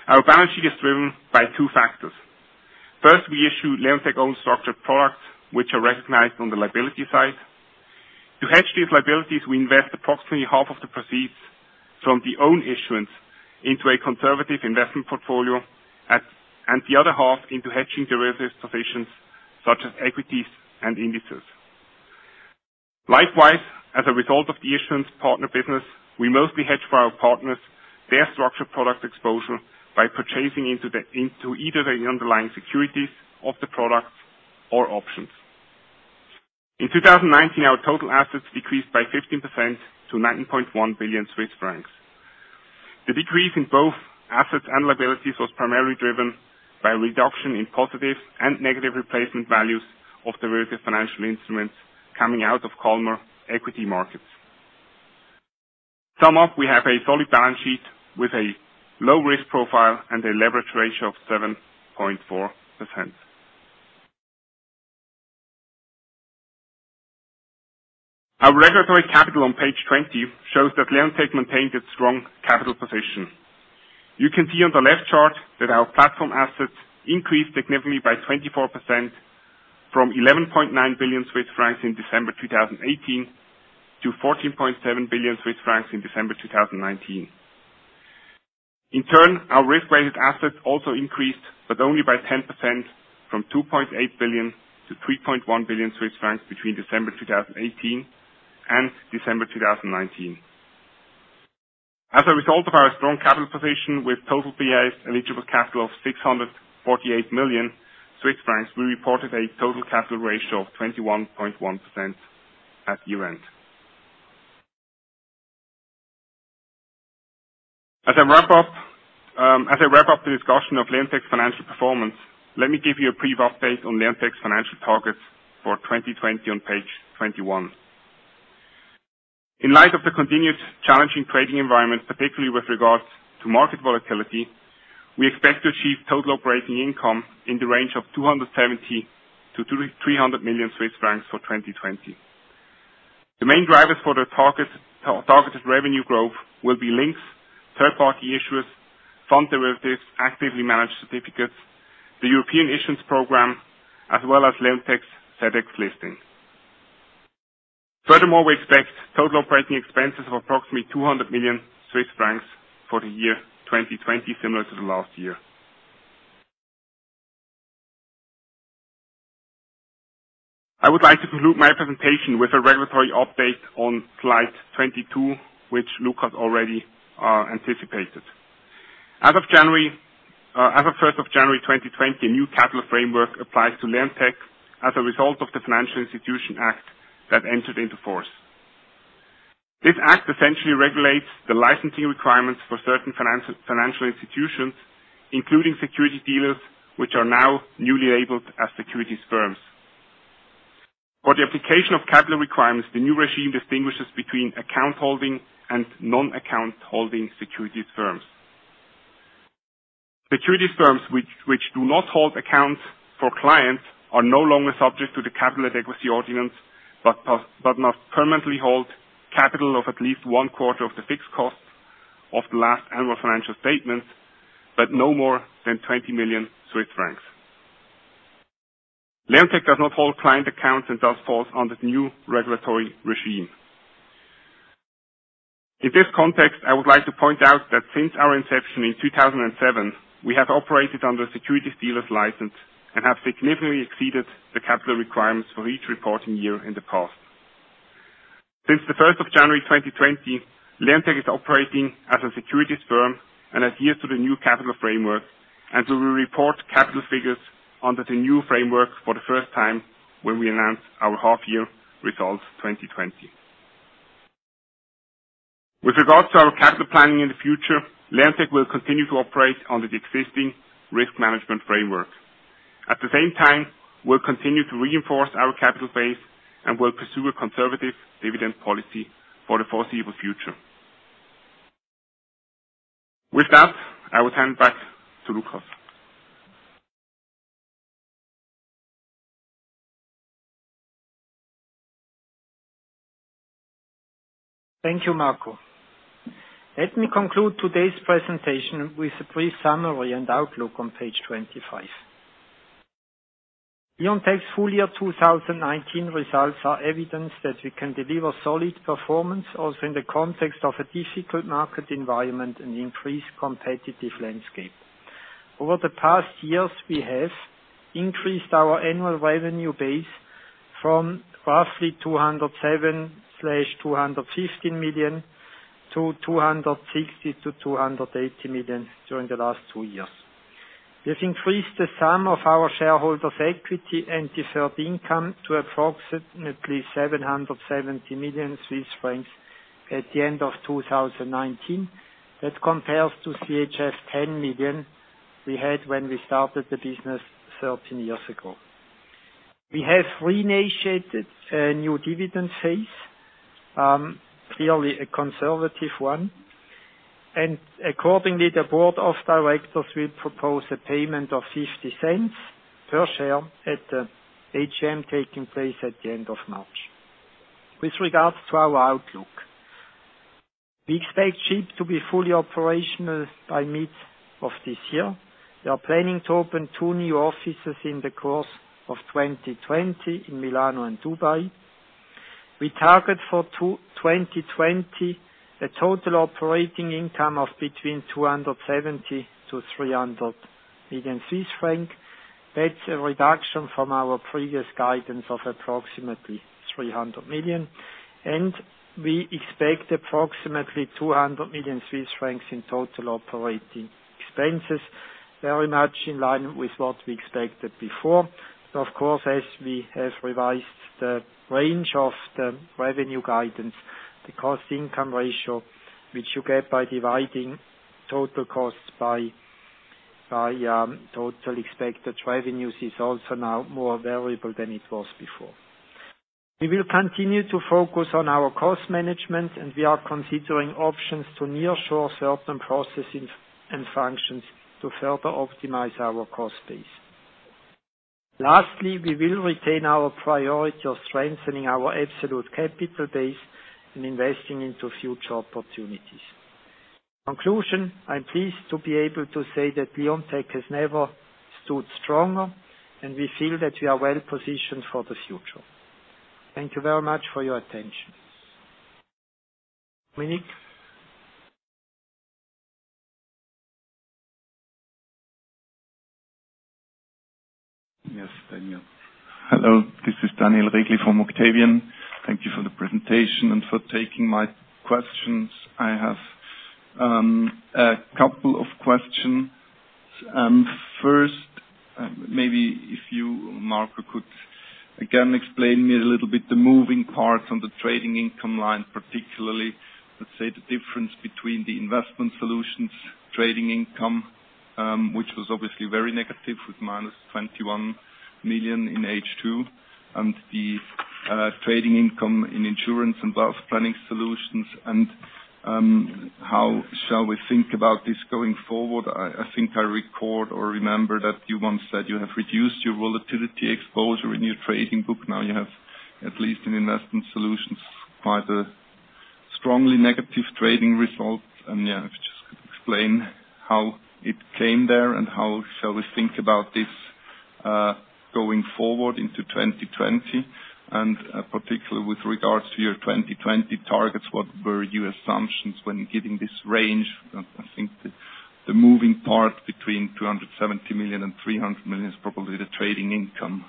Our balance sheet is driven by two factors. First, we issue Leonteq own structured products, which are recognized on the liability side. To hedge these liabilities, we invest approximately half of the proceeds from the own issuance into a conservative investment portfolio, and the other half into hedging derivative positions such as equities and indices. Likewise, as a result of the issuance partner business, we mostly hedge for our partners their structured product exposure by purchasing into either the underlying securities of the product or options. In 2019, our total assets decreased by 15% to 9.1 billion Swiss francs. The decrease in both assets and liabilities was primarily driven by reduction in positive and negative replacement values of derivative financial instruments coming out of calmer equity markets. To sum up, we have a solid balance sheet with a low-risk profile and a leverage ratio of 7.4%. Our regulatory capital on page 20 shows that Leonteq maintained its strong capital position. You can see on the left chart that our platform assets increased significantly by 24%, from 11.9 billion Swiss francs in December 2018 to 14.7 billion Swiss francs in December 2019. Our risk-weighted assets also increased, but only by 10%, from 2.8 billion to 3.1 billion Swiss francs between December 2018 and December 2019. As a result of our strong capital position with total Tier 1 eligible capital of 648 million Swiss francs, we reported a total capital ratio of 21.1% at year-end. As I wrap up the discussion of Leonteq's financial performance, let me give you a brief update on Leonteq's financial targets for 2020 on page 21. In light of the continued challenging trading environment, particularly with regards to market volatility, we expect to achieve total operating income in the range of 270 million-300 million Swiss francs for 2020. The main drivers for the targeted revenue growth will be LynQs, third-party issuers, fund derivatives, actively managed certificates, the European issuance program, as well as Leonteq's SIX listing. We expect total operating expenses of approximately 200 million Swiss francs for the year 2020, similar to the last year. I would like to conclude my presentation with a regulatory update on slide 22, which Lukas already anticipated. As of 1st of January 2020, a new capital framework applies to Leonteq as a result of the Financial Institutions Act that entered into force. This act essentially regulates the licensing requirements for certain financial institutions, including security dealers, which are now newly labeled as securities firms. For the application of capital requirements, the new regime distinguishes between account holding and non-account holding securities firms. Securities firms which do not hold accounts for clients are no longer subject to the Capital Adequacy Ordinance, but must permanently hold capital of at least one quarter of the fixed costs of the last annual financial statement, but no more than 20 million Swiss francs. Leonteq does not hold client accounts and thus falls under the new regulatory regime. In this context, I would like to point out that since our inception in 2007, we have operated under a securities dealer's license and have significantly exceeded the capital requirements for each reporting year in the past. Since the 1st of January 2020, Leonteq is operating as a securities firm and adheres to the new capital framework. We will report capital figures under the new framework for the first time when we announce our half-year results 2020. With regards to our capital planning in the future, Leonteq will continue to operate under the existing risk management framework. At the same time, we'll continue to reinforce our capital base and will pursue a conservative dividend policy for the foreseeable future. With that, I will hand back to Lukas. Thank you, Marco. Let me conclude today's presentation with a brief summary and outlook on page 25. Leonteq's full-year 2019 results are evidence that we can deliver solid performance, also in the context of a difficult market environment and increased competitive landscape. Over the past years, we have increased our annual revenue base from roughly 207 million-215 million to 260 million-280 million during the last two years. We have increased the sum of our shareholders' equity and deferred income to approximately 770 million Swiss francs at the end of 2019. That compares to CHF 10 million we had when we started the business 13 years ago. We have reinitiated a new dividend phase, clearly a conservative one, and accordingly, the board of directors will propose a payment of 0.50 per share at the AGM taking place at the end of March. With regards to our outlook, we expect SHIP to be fully operational by mid of this year. We are planning to open two new offices in the course of 2020 in Milano and Dubai. We target for 2020 a total operating income of between 270 million to 300 million Swiss franc. That's a reduction from our previous guidance of approximately 300 million. We expect approximately 200 million Swiss francs in total operating expenses, very much in line with what we expected before. Of course, as we have revised the range of the revenue guidance, the cost-income ratio, which you get by dividing total costs by total expected revenues, is also now more variable than it was before. We will continue to focus on our cost management, and we are considering options to nearshore certain processes and functions to further optimize our cost base. Lastly, we will retain our priority of strengthening our absolute capital base and investing into future opportunities. Conclusion, I am pleased to be able to say that Leonteq has never stood stronger, and we feel that we are well-positioned for the future. Thank you very much for your attention. Monique? Yes, Daniel. Hello, this is Daniel Regli from Octavian. Thank you for the presentation and for taking my questions. I have a couple of questions. First, maybe if you, Marco, could again explain me a little bit the moving parts on the trading income line, particularly, let's say, the difference between the investment solutions trading income, which was obviously very negative with minus 21 million in H2, and the trading income in insurance and wealth planning solutions. How shall we think about this going forward? I think I recall or remember that you once said you have reduced your volatility exposure in your trading book. Now you have at least an investment solution, quite a strongly negative trading result. Yeah, if you just could explain how it came there and how shall we think about this going forward into 2020. Particularly with regards to your 2020 targets, what were your assumptions when giving this range? I think the moving part between 270 million and 300 million is probably the trading income.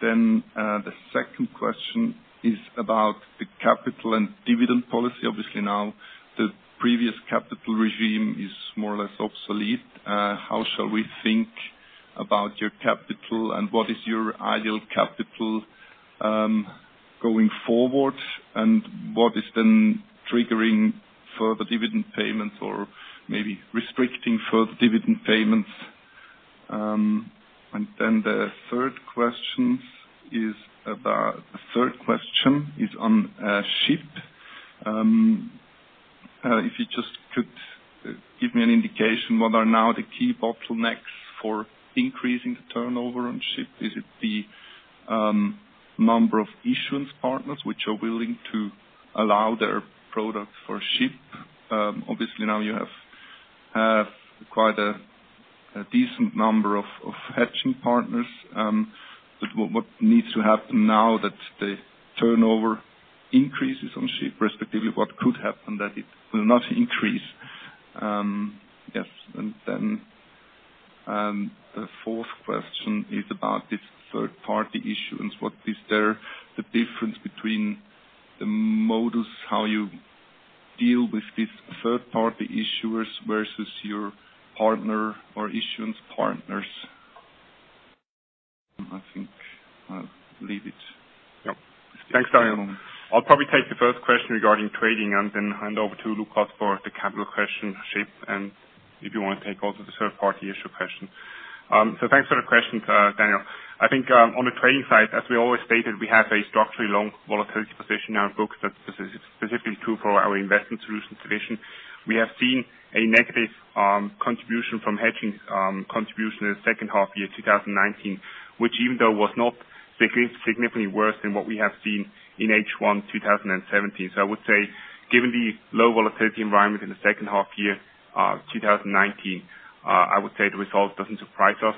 The second question is about the capital and dividend policy. Obviously now the previous capital regime is more or less obsolete. How shall we think about your capital, and what is your ideal capital, going forward? What is then triggering further dividend payments or maybe restricting further dividend payments? The third question is on SHIP. If you just could give me an indication, what are now the key bottlenecks for increasing the turnover on SHIP? Is it the number of issuance partners which are willing to allow their product for SHIP? Obviously now you have quite a decent number of hedging partners. What needs to happen now that the turnover increases on SHIP? Respectively, what could happen that it will not increase? Yes. The fourth question is about this third-party issuance. What is there the difference between the modus, how you deal with these third-party issuers versus your partner or issuance partners? I think I'll leave it. Yep. Thanks, Daniel. I'll probably take the first question regarding trading and then hand over to Lukas for the capital question, SHIP, and if you want to take also the third-party issue question. Thanks for the questions, Daniel. I think on the trading side, as we always stated, we have a structurally long volatility position on books. That's specifically true for our investment solutions division. We have seen a negative contribution from hedging contribution in the second half year 2019, which even though was not significantly worse than what we have seen in H1 2017. I would say given the low volatility environment in the second half year 2019, I would say the result doesn't surprise us.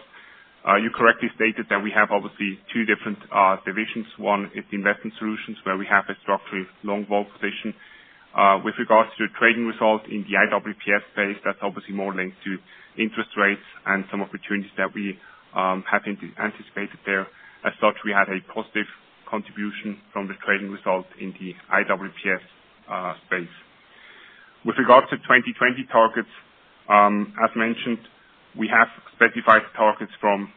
You correctly stated that we have obviously two different divisions. One is investment solutions, where we have a structurally long vol position. With regards to trading results in the IWPS space, that's obviously more linked to interest rates and some opportunities that we have anticipated there. As such, we had a positive contribution from the trading results in the IWPS space. With regards to 2020 targets, as mentioned, we have specified targets from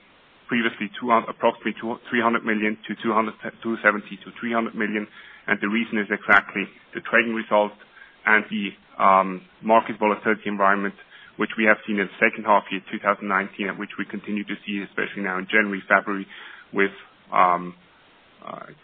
previously approximately 300 million to 270 million-300 million. The reason is exactly the trading results and the market volatility environment, which we have seen in second half year 2019 and which we continue to see, especially now in January, February, with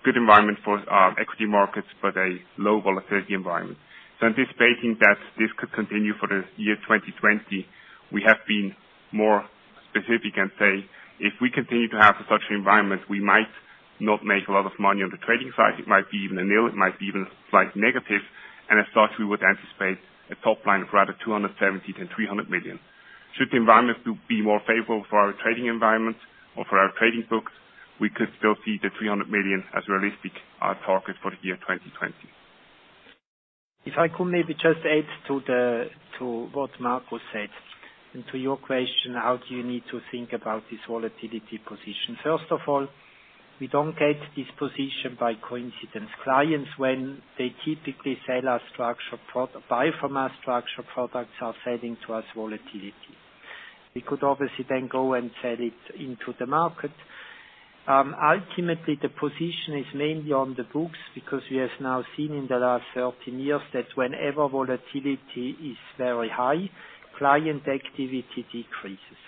good environment for equity markets, but a low volatility environment. Anticipating that this could continue for the year 2020, we have been more specific and say, if we continue to have such an environment, we might not make a lot of money on the trading side. It might be even a nil, it might be even a slight negative. As such, we would anticipate a top line of rather 270 million-300 million. Should the environment be more favorable for our trading environment or for our trading books, we could still see the 300 million as realistic target for the year 2020. If I could maybe just add to what Marco said, and to your question, how do you need to think about this volatility position? First of all, we don't get this position by coincidence. Clients, when they typically buy from our structured products, are selling to us volatility. We could obviously then go and sell it into the market. Ultimately, the position is mainly on the books because we have now seen in the last 13 years that whenever volatility is very high, client activity decreases.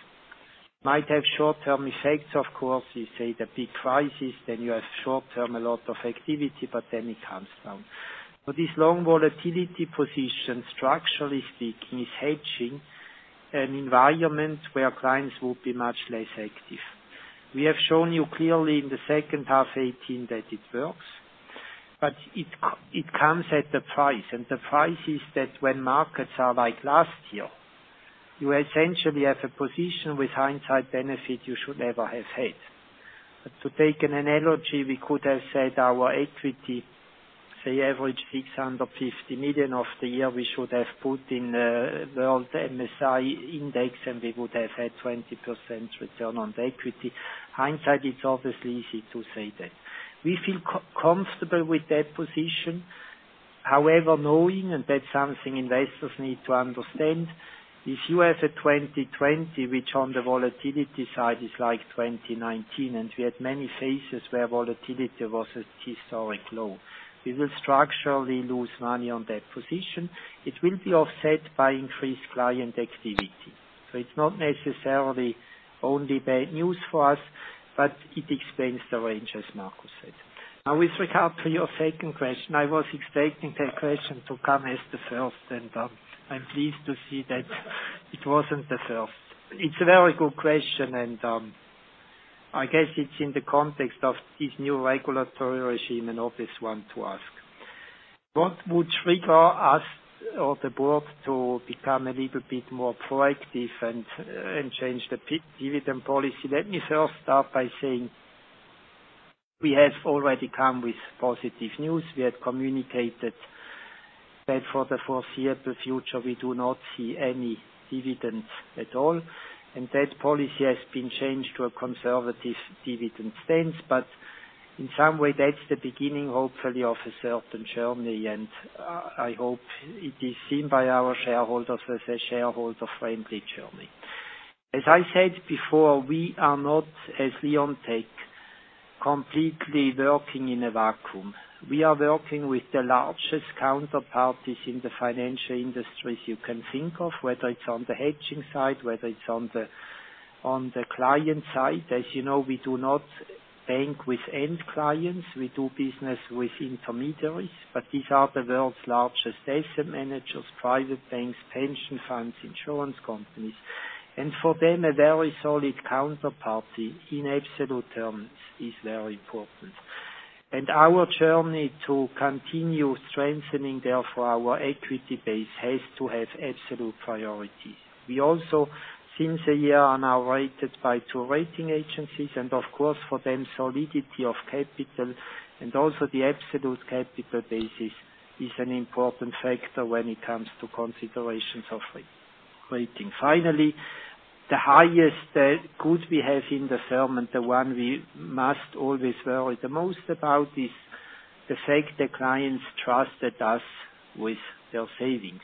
Might have short-term effects, of course, you say the big crisis, then you have short-term a lot of activity, but then it comes down. This long volatility position, structurally speaking, is hedging an environment where clients will be much less active. We have shown you clearly in the second half 2018 that it works, it comes at a price, the price is that when markets are like last year, you essentially have a position with hindsight benefit you should never have had. To take an analogy, we could have said our equity, say average 650 million of the year, we should have put in the MSCI World Index, we would have had 20% return on equity. Hindsight, it's obviously easy to say that. We feel comfortable with that position. However, knowing, that's something investors need to understand, if you have a 2020, which on the volatility side is like 2019, we had many phases where volatility was at historic low. We will structurally lose money on that position. It will be offset by increased client activity. It's not necessarily only bad news for us, but it explains the range, as Marco said. With regard to your second question, I was expecting that question to come as the first and I'm pleased to see that it wasn't the first. It's a very good question and I guess it's in the context of this new regulatory regime, an obvious one to ask. What would trigger us or the board to become a little bit more proactive and change the dividend policy? Let me first start by saying we have already come with positive news. We had communicated that for the foreseeable future, we do not see any dividends at all, and that policy has been changed to a conservative dividend stance. In some way, that's the beginning, hopefully, of a certain journey, and I hope it is seen by our shareholders as a shareholder-friendly journey. As I said before, we are not, as Leonteq, completely working in a vacuum. We are working with the largest counterparties in the financial industries you can think of, whether it's on the hedging side, whether it's on the client side. As you know, we do not bank with end clients. We do business with intermediaries, but these are the world's largest asset managers, private banks, pension funds, insurance companies. For them, a very solid counterparty in absolute terms is very important. Our journey to continue strengthening therefore our equity base has to have absolute priority. We also since a year are now rated by two rating agencies. Of course, for them, solidity of capital and also the absolute capital basis is an important factor when it comes to considerations of rating. Finally, the highest good we have in the firm and the one we must always worry the most about is the fact that clients trusted us with their savings.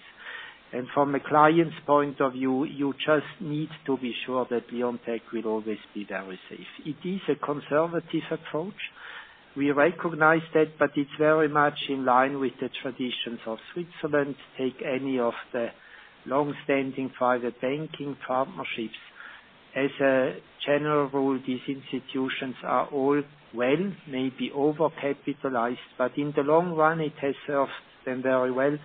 From a client's point of view, you just need to be sure that Leonteq will always be very safe. It is a conservative approach. We recognize that, but it's very much in line with the traditions of Switzerland. Take any of the long-standing private banking partnerships. As a general rule, these institutions are all well, maybe over-capitalized, but in the long run, it has served them very well,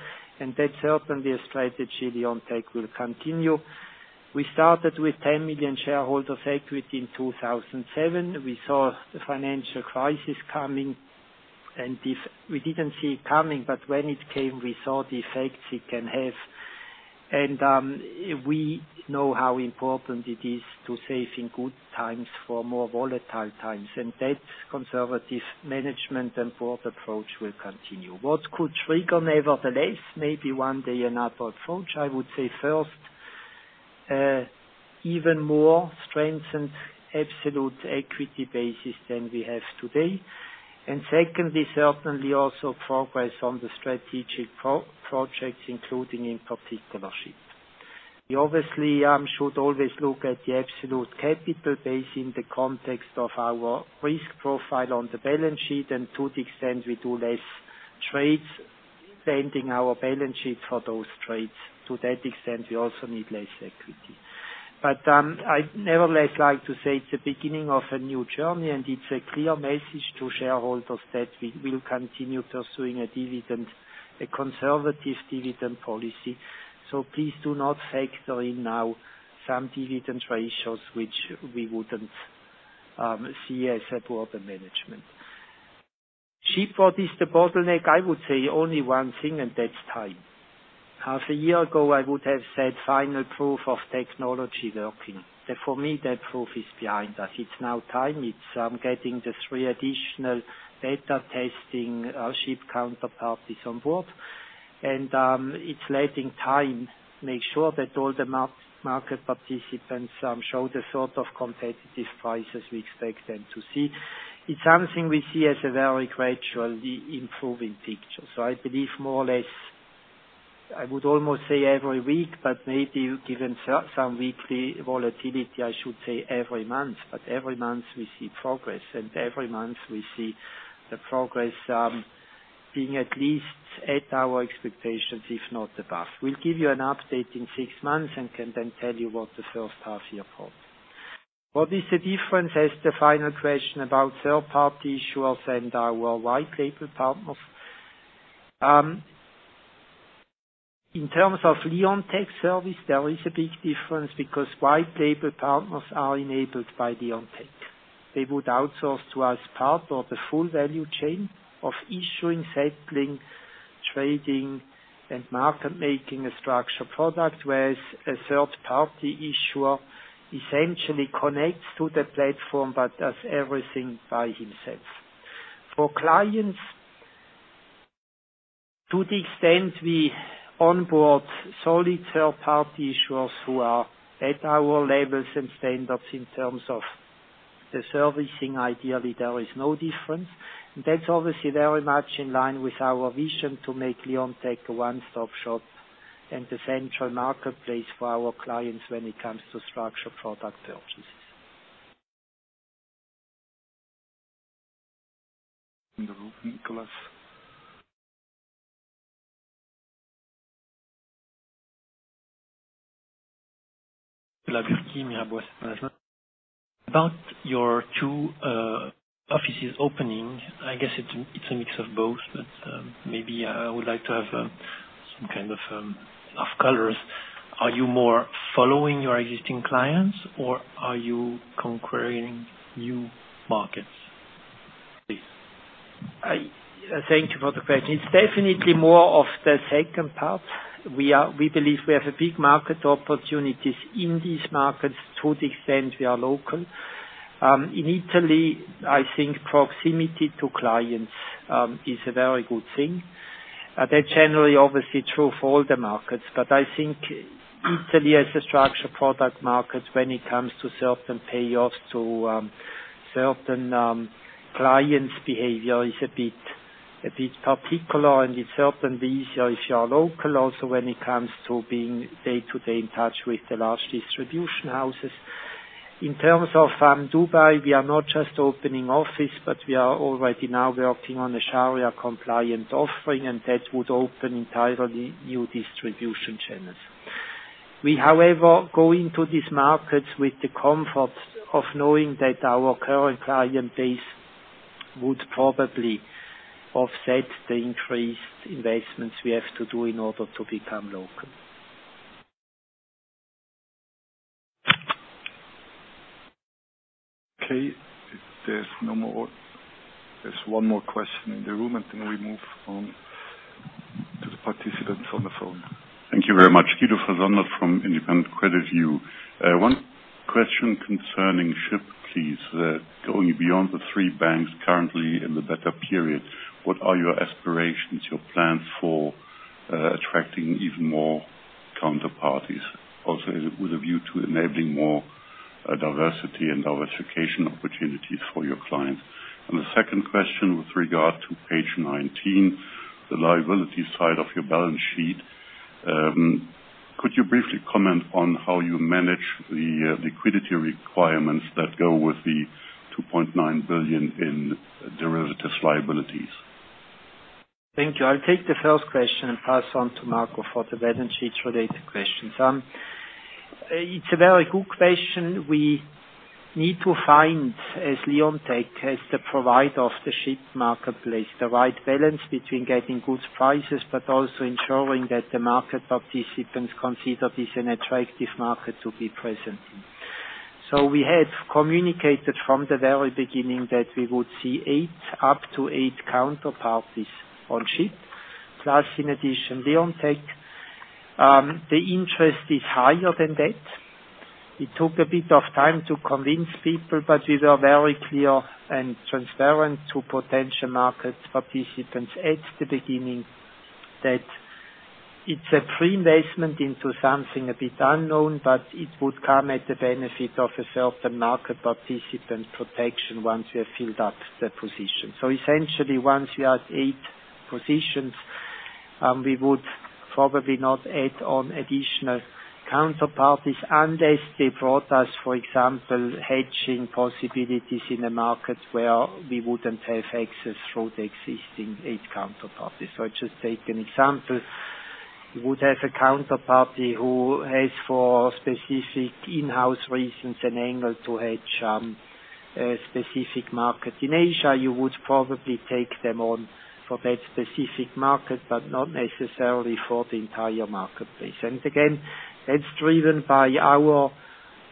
and that's certainly a strategy Leonteq will continue. We started with 10 million shareholder equity in 2007. We saw the financial crisis coming. We didn't see it coming, but when it came, we saw the effects it can have. We know how important it is to save in good times for more volatile times, and that conservative management and board approach will continue. What could trigger, nevertheless, maybe one day an approach, I would say first, even more strengthened absolute equity basis than we have today. Secondly, certainly also progress on the strategic projects, including in particular SHIP. We obviously should always look at the absolute capital base in the context of our risk profile on the balance sheet and to the extent we do less trades, maintaining our balance sheet for those trades. To that extent, we also need less equity. I'd nevertheless like to say it's a beginning of a new journey, and it's a clear message to shareholders that we will continue pursuing a conservative dividend policy. Please do not factor in now some dividend ratios which we wouldn't see as a board and management. SHIP, what is the bottleneck? I would say only one thing, and that's time. Half a year ago, I would have said final proof of technology working. For me, that proof is behind us. It's now time. It's getting the three additional beta testing SHIP counterparties on board. It's letting time make sure that all the market participants show the sort of competitive prices we expect them to see. It's something we see as a very gradually improving picture. I believe more or less, I would almost say every week, but maybe given some weekly volatility, I should say every month. Every month we see progress, and every month we see the progress being at least at our expectations, if not above. We'll give you an update in six months and can then tell you what the first half year holds. What is the difference, as the final question, about third-party issuers and our white label partners? In terms of Leonteq service, there is a big difference, because white label partners are enabled by Leonteq. They would outsource to us part of the full value chain of issuing, settling, trading, and market making a structured product. Whereas a third-party issuer essentially connects to the platform but does everything by himself. For clients, to the extent we onboard solid third-party issuers who are at our levels and standards in terms of the servicing, ideally, there is no difference. That's obviously very much in line with our vision to make Leonteq a one-stop shop and the central marketplace for our clients when it comes to structured product purchases. In the room, Nicholas. About your two offices opening. I guess it's a mix of both. Maybe I would like to have some kind of colors. Are you more following your existing clients, or are you conquering new markets? Thank you for the question. It's definitely more of the second part. We believe we have a big market opportunity in these markets to the extent we are local. In Italy, I think proximity to clients is a very good thing. That generally, obviously true for all the markets. I think Italy as a structured product market when it comes to certain payoffs, to certain clients' behavior is a bit particular, and it's certainly easier if you are local also when it comes to being day-to-day in touch with the large distribution houses. In terms of Dubai, we are not just opening office, but we are already now working on a Sharia-compliant offering, and that would open entirely new distribution channels. We, however, go into these markets with the comfort of knowing that our current client base would probably offset the increased investments we have to do in order to become local. Okay. There's one more question in the room, and then we move on to the participants on the phone. Thank you very much. Guido Fasano from Independent Credit View. One question concerning SHIP, please. Going beyond the three banks currently in the beta period, what are your aspirations, your plan for attracting even more counterparties? With a view to enabling more diversity and diversification opportunities for your clients. The second question with regard to page 19, the liability side of your balance sheet. Could you briefly comment on how you manage the liquidity requirements that go with the 2.9 billion in derivatives liabilities? Thank you. I'll take the first question and pass on to Marco for the balance sheet related questions. It's a very good question. We need to find, as Leonteq, as the provider of the SHIP marketplace, the right balance between getting good prices but also ensuring that the market participants consider this an attractive market to be present in. We had communicated from the very beginning that we would see up to eight counterparties on SHIP. Plus, in addition, Leonteq. The interest is higher than that. It took a bit of time to convince people, but we were very clear and transparent to potential market participants at the beginning that it's a pre-investment into something a bit unknown, but it would come at the benefit of a certain market participant protection once we have filled up the position. Essentially, once we are at eight positions, we would probably not add on additional counterparties unless they brought us, for example, hedging possibilities in a market where we wouldn't have access through the existing eight counterparties. I just take an example. You would have a counterparty who has, for specific in-house reasons, an angle to hedge a specific market. In Asia, you would probably take them on for that specific market, but not necessarily for the entire marketplace. Again, that's driven by our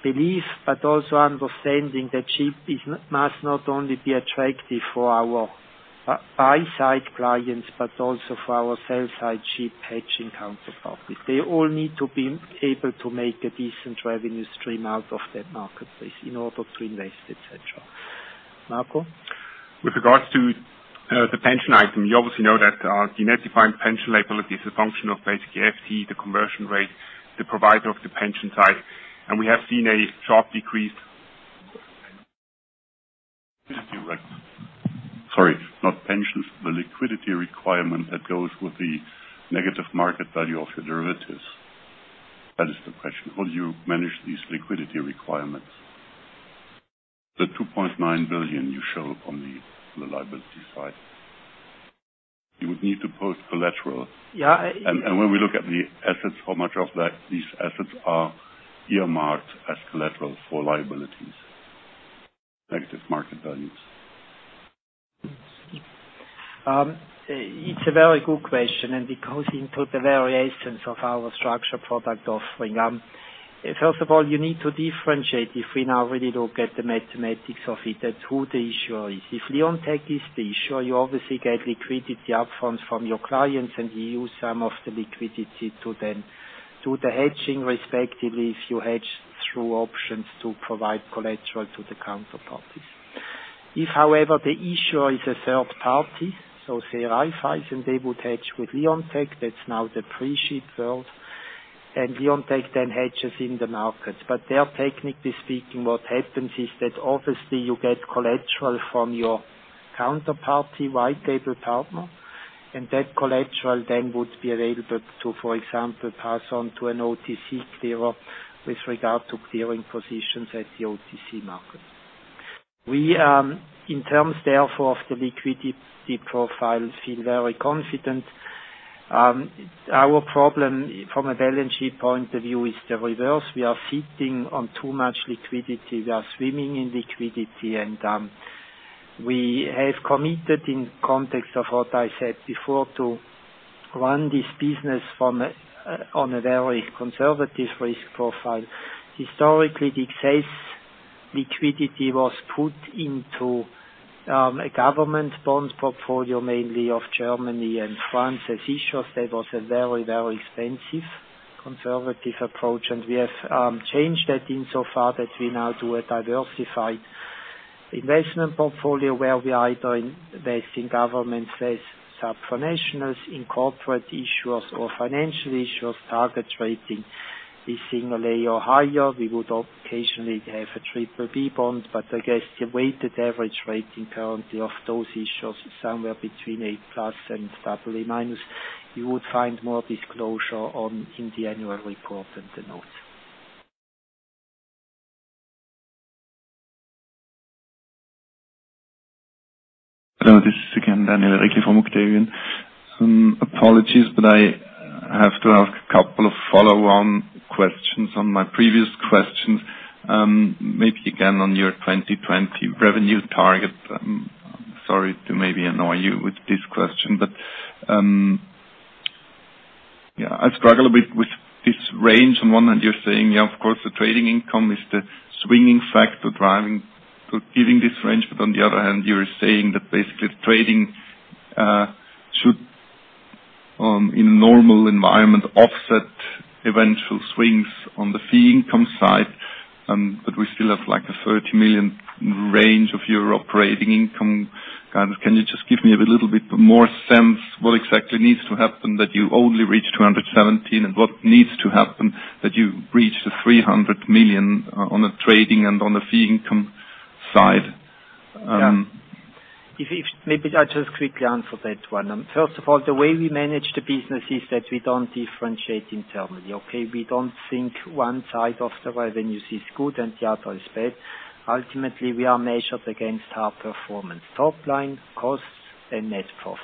belief, but also understanding that SHIP must not only be attractive for our buy-side clients but also for our sell-side SHIP hedging counterparties. They all need to be able to make a decent revenue stream out of that marketplace in order to invest, et cetera. Marco? With regards to the pension item, you obviously know that the net defined pension liability is a function of basically FT, the conversion rate, the provider of the pension side, and we have seen a sharp decrease. Sorry, not pensions, the liquidity requirement that goes with the negative market value of your derivatives. That is the question. How do you manage these liquidity requirements? The 2.9 billion you show on the liability side. You would need to post collateral. Yeah. When we look at the assets, how much of these assets are earmarked as collateral for liabilities, negative market values? It's a very good question. It goes into the variations of our structure product offering. First of all, you need to differentiate if we now really look at the mathematics of it and who the issuer is. If Leonteq is the issuer, you obviously get liquidity up fronts from your clients, and you use some of the liquidity to then do the hedging, respectively, if you hedge through options to provide collateral to the counterparties. If, however, the issuer is a third party, so say, and they would hedge with Leonteq, that's now the pre-SHIP world. Leonteq hedges in the market. There, technically speaking, what happens is that obviously you get collateral from your counterparty, white label partner, and that collateral then would be available to, for example, pass on to an OTC clearer with regard to clearing positions at the OTC market. We, in terms therefore of the liquidity profiles, feel very confident. Our problem from a balance sheet point of view is the reverse. We are sitting on too much liquidity. We are swimming in liquidity. We have committed in context of what I said before, to run this business on a very conservative risk profile. Historically, the excess liquidity was put into a government bond portfolio, mainly of Germany and France as issuers. That was a very expensive conservative approach. We have changed that insofar that we now do a diversified investment portfolio where we are either investing government, subnationals in corporate issuers or financial issuers, target rating is A or higher. We would occasionally have a BBB bond, but I guess the weighted average rating currently of those issuers is somewhere between A+ and AA-. You would find more disclosure in the annual report and the notes. Hello, this is again Daniel Regli from Octavian AG. Apologies, I have to ask a couple of follow-on questions on my previous questions. Maybe again on your 2020 revenue target. Sorry to maybe annoy you with this question, I struggle a bit with this range on one hand, you're saying, of course, the trading income is the swinging factor giving this range, on the other hand, you're saying that basically trading should, in a normal environment, offset eventual swings on the fee income side, we still have a 30 million range of your operating income. Can you just give me a little bit more sense what exactly needs to happen that you only reach 217 million and what needs to happen that you reach the 300 million on the trading and on the fee income side? Yeah. Maybe I just quickly answer that one. First of all, the way we manage the business is that we don't differentiate internally. Okay? We don't think one side of the revenues is good and the other is bad. Ultimately, we are measured against our performance, top line costs and net profit.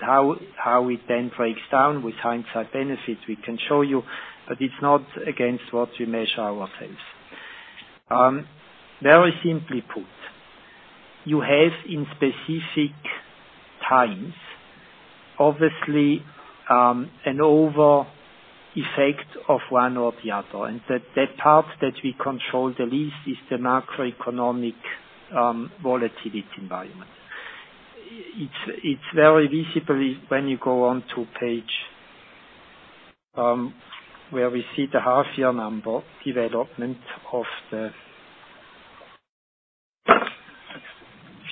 How it then breaks down with hindsight benefit, we can show you, but it's not against what we measure ourselves. Very simply put, you have in specific times, obviously, an over effect of one or the other, and that part that we control the least is the macroeconomic volatility environment. It's very visible when you go on to page, where we see the half year number development of the.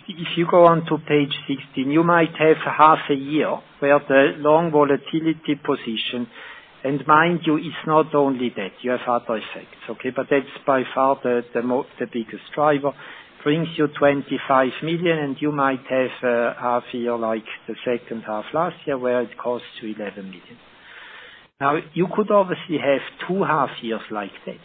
If you go on to page 16, you might have half a year where the long volatility position, and mind you, it's not only that, you have other effects. Okay? That's by far the biggest driver, brings you 25 million, and you might have a half year, like the second half last year, where it costs you 11 million. You could obviously have two half years like that.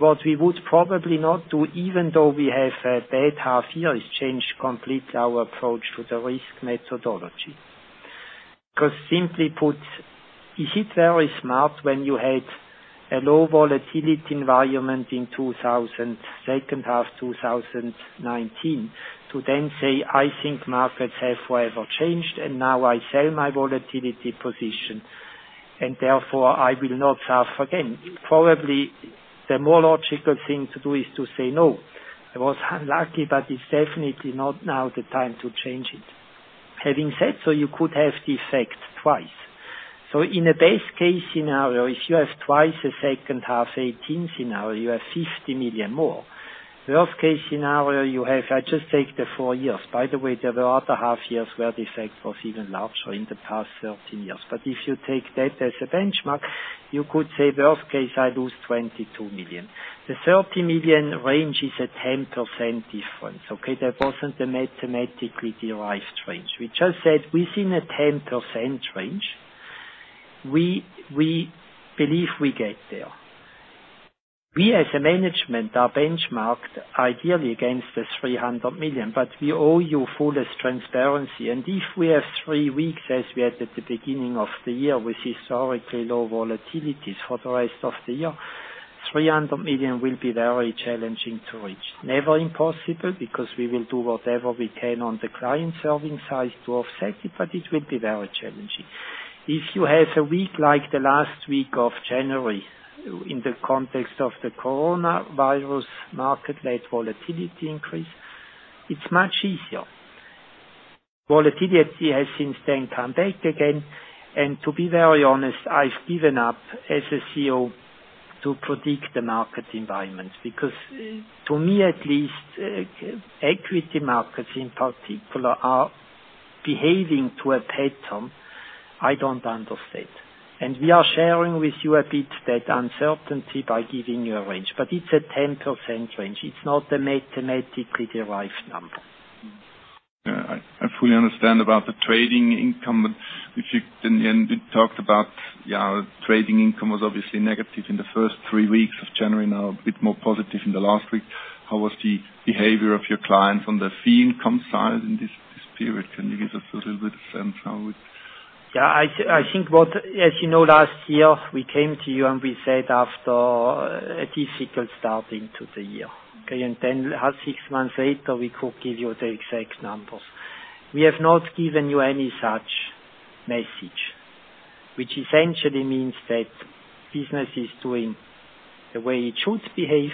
What we would probably not do, even though we have a bad half year, is change completely our approach to the risk methodology. Simply put, is it very smart when you had a low volatility environment in second half 2019 to then say, "I think markets have forever changed, and now I sell my volatility position, and therefore, I will not have again." Probably the more logical thing to do is to say, "No. I was unlucky, but it's definitely not now the time to change it." Having said so, you could have the effect twice. In a best case scenario, if you have twice a second half 2018 scenario, you have 50 million more. Worst case scenario, you have, I just take the four years. By the way, there were other half years where the effect was even larger in the past 13 years. If you take that as a benchmark, you could say, worst case, I lose 22 million. The 30 million range is a 10% difference, okay? That wasn't a mathematically derived range. We just said within a 10% range, we believe we get there. We as a management are benchmarked ideally against the 300 million, but we owe you fullest transparency. If we have three weeks as we had at the beginning of the year with historically low volatilities for the rest of the year, 300 million will be very challenging to reach. Never impossible, because we will do whatever we can on the client-serving side to offset it, but it will be very challenging. If you have a week like the last week of January, in the context of the coronavirus market-led volatility increase, it's much easier. Volatility has since then come back again. To be very honest, I've given up as a CEO to predict the market environment. Because to me at least, equity markets in particular are behaving to a pattern I don't understand. We are sharing with you a bit that uncertainty by giving you a range. It's a 10% range. It's not a mathematically derived number. Yeah, I fully understand about the trading income, and you talked about trading income was obviously negative in the first three weeks of January, now a bit more positive in the last week. How was the behavior of your clients from the fee income side in this period? Can you give us a little bit of sense how it? Yeah, I think as you know, last year we came to you, we said after a difficult starting to the year. 6 months later, we could give you the exact numbers. We have not given you any such message, which essentially means that business is doing the way it should behave.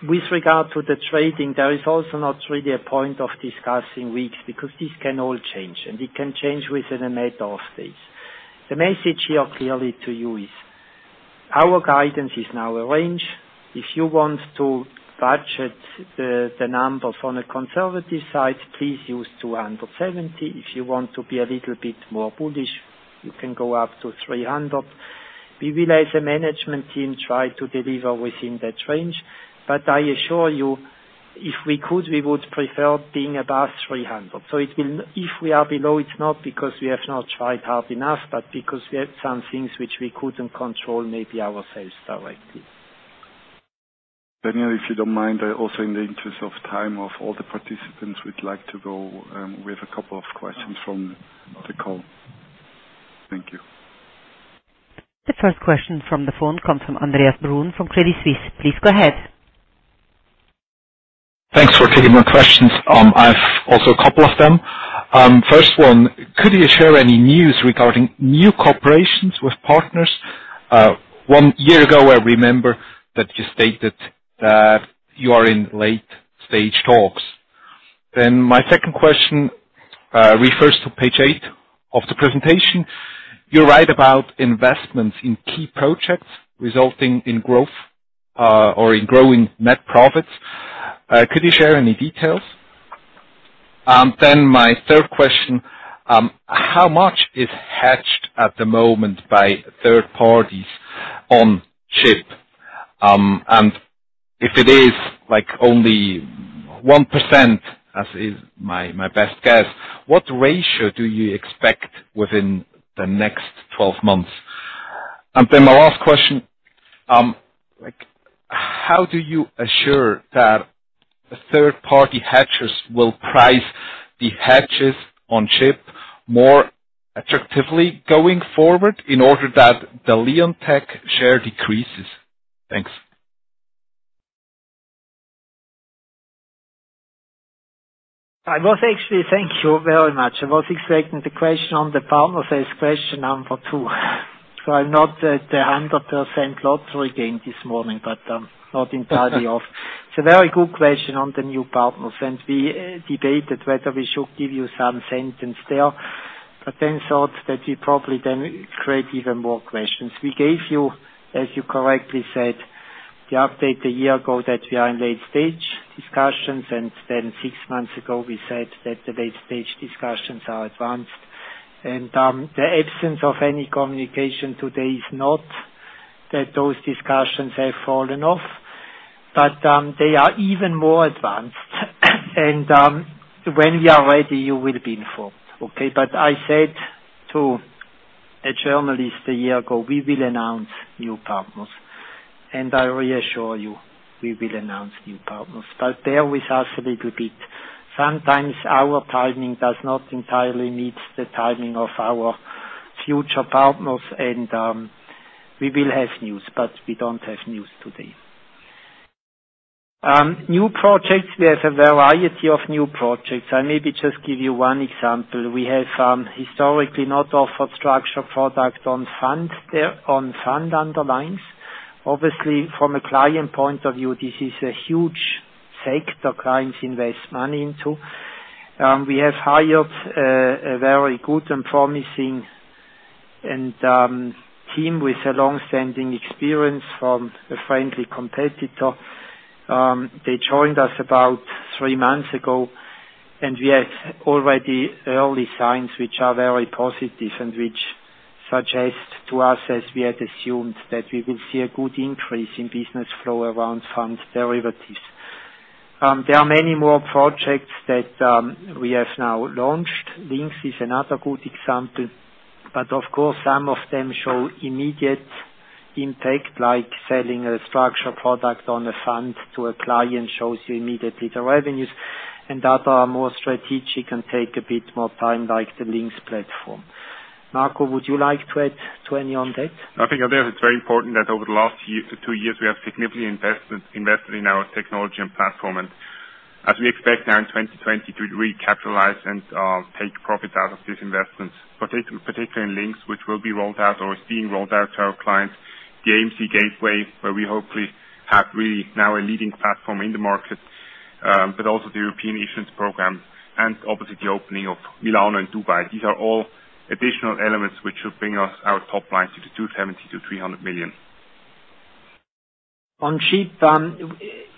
With regard to the trading, there is also not really a point of discussing weeks, because this can all change, and it can change within a matter of days. The message here clearly to you is, our guidance is now a range. If you want to budget the numbers on a conservative side, please use 270. If you want to be a little bit more bullish, you can go up to 300. We will, as a management team, try to deliver within that range. I assure you, if we could, we would prefer being above 300. If we are below, it's not because we have not tried hard enough, but because we had some things which we couldn't control, maybe ourselves directly. Daniel, if you don't mind, also in the interest of time of all the participants, we'd like to go with a couple of questions from the call. Thank you. The first question from the phone comes from Andreas Brun from Credit Suisse. Please go ahead. Thanks for taking my questions. I've also a couple of them. First one, could you share any news regarding new corporations with partners? One year ago, I remember that you stated that you are in late-stage talks. My second question refers to page eight of the presentation. You write about investments in key projects resulting in growth or in growing net profits. Could you share any details? My third question, how much is hedged at the moment by third parties on SHIP? If it is only 1%, as is my best guess, what ratio do you expect within the next 12 months? My last question, how do you assure that third party hedgers will price the hedges on SHIP more attractively going forward in order that the Leonteq share decreases? Thanks. Thank you very much. I was expecting the question on the partners as question number two. I'm not at the 100% lottery game this morning, but not entirely off. It's a very good question on the new partners, and we debated whether we should give you some sentence there, but then thought that we probably then create even more questions. We gave you, as you correctly said, the update a year ago that we are in late stage discussions, and then six months ago, we said that the late stage discussions are advanced. The absence of any communication today is not that those discussions have fallen off. They are even more advanced. When we are ready, you will be informed. Okay. I said to a journalist a year ago, we will announce new partners, and I reassure you, we will announce new partners. Bear with us a little bit. Sometimes our timing does not entirely meet the timing of our future partners, and we will have news, but we don't have news today. New projects, we have a variety of new projects. I maybe just give you one example. We have historically not offered structured products on fund derivatives. Obviously, from a client point of view, this is a huge sector clients invest money into. We have hired a very good and promising team with a long-standing experience from a friendly competitor. They joined us about three months ago, and we have already early signs which are very positive and which suggest to us, as we had assumed, that we will see a good increase in business flow around fund derivatives. There are many more projects that we have now launched. LynQs is another good example, but of course, some of them show immediate impact, like selling a structured product on a fund to a client shows you immediately the revenues, and other more strategic and take a bit more time, like the LynQs platform. Marco, would you like to add to any on that? I think there it's very important that over the last two years, we have significantly invested in our technology and platform, and as we expect now in 2020 to recapitalize and take profits out of these investments, particularly in LynQs, which will be rolled out or is being rolled out to our clients, the AMC Gateway, where we hopefully have really now a leading platform in the market, but also the European issuance program and obviously the opening of Milano and Dubai. These are all additional elements which will bring us our top line to the 270 million-300 million. On SHIP,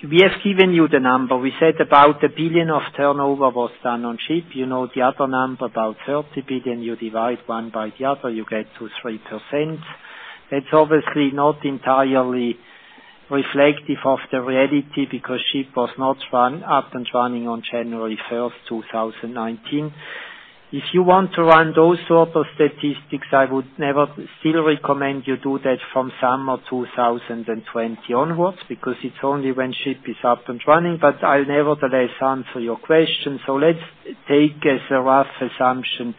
we have given you the number. We said about 1 billion of turnover was done on SHIP. You know the other number, about 30 billion. You divide one by the other, you get 2%-3%. That's obviously not entirely reflective of the reality because SHIP was not up and running on January 1st, 2019. If you want to run those sort of statistics, I would never still recommend you do that from summer 2020 onwards, because it's only when SHIP is up and running. I'll nevertheless answer your question. Let's take as a rough assumption that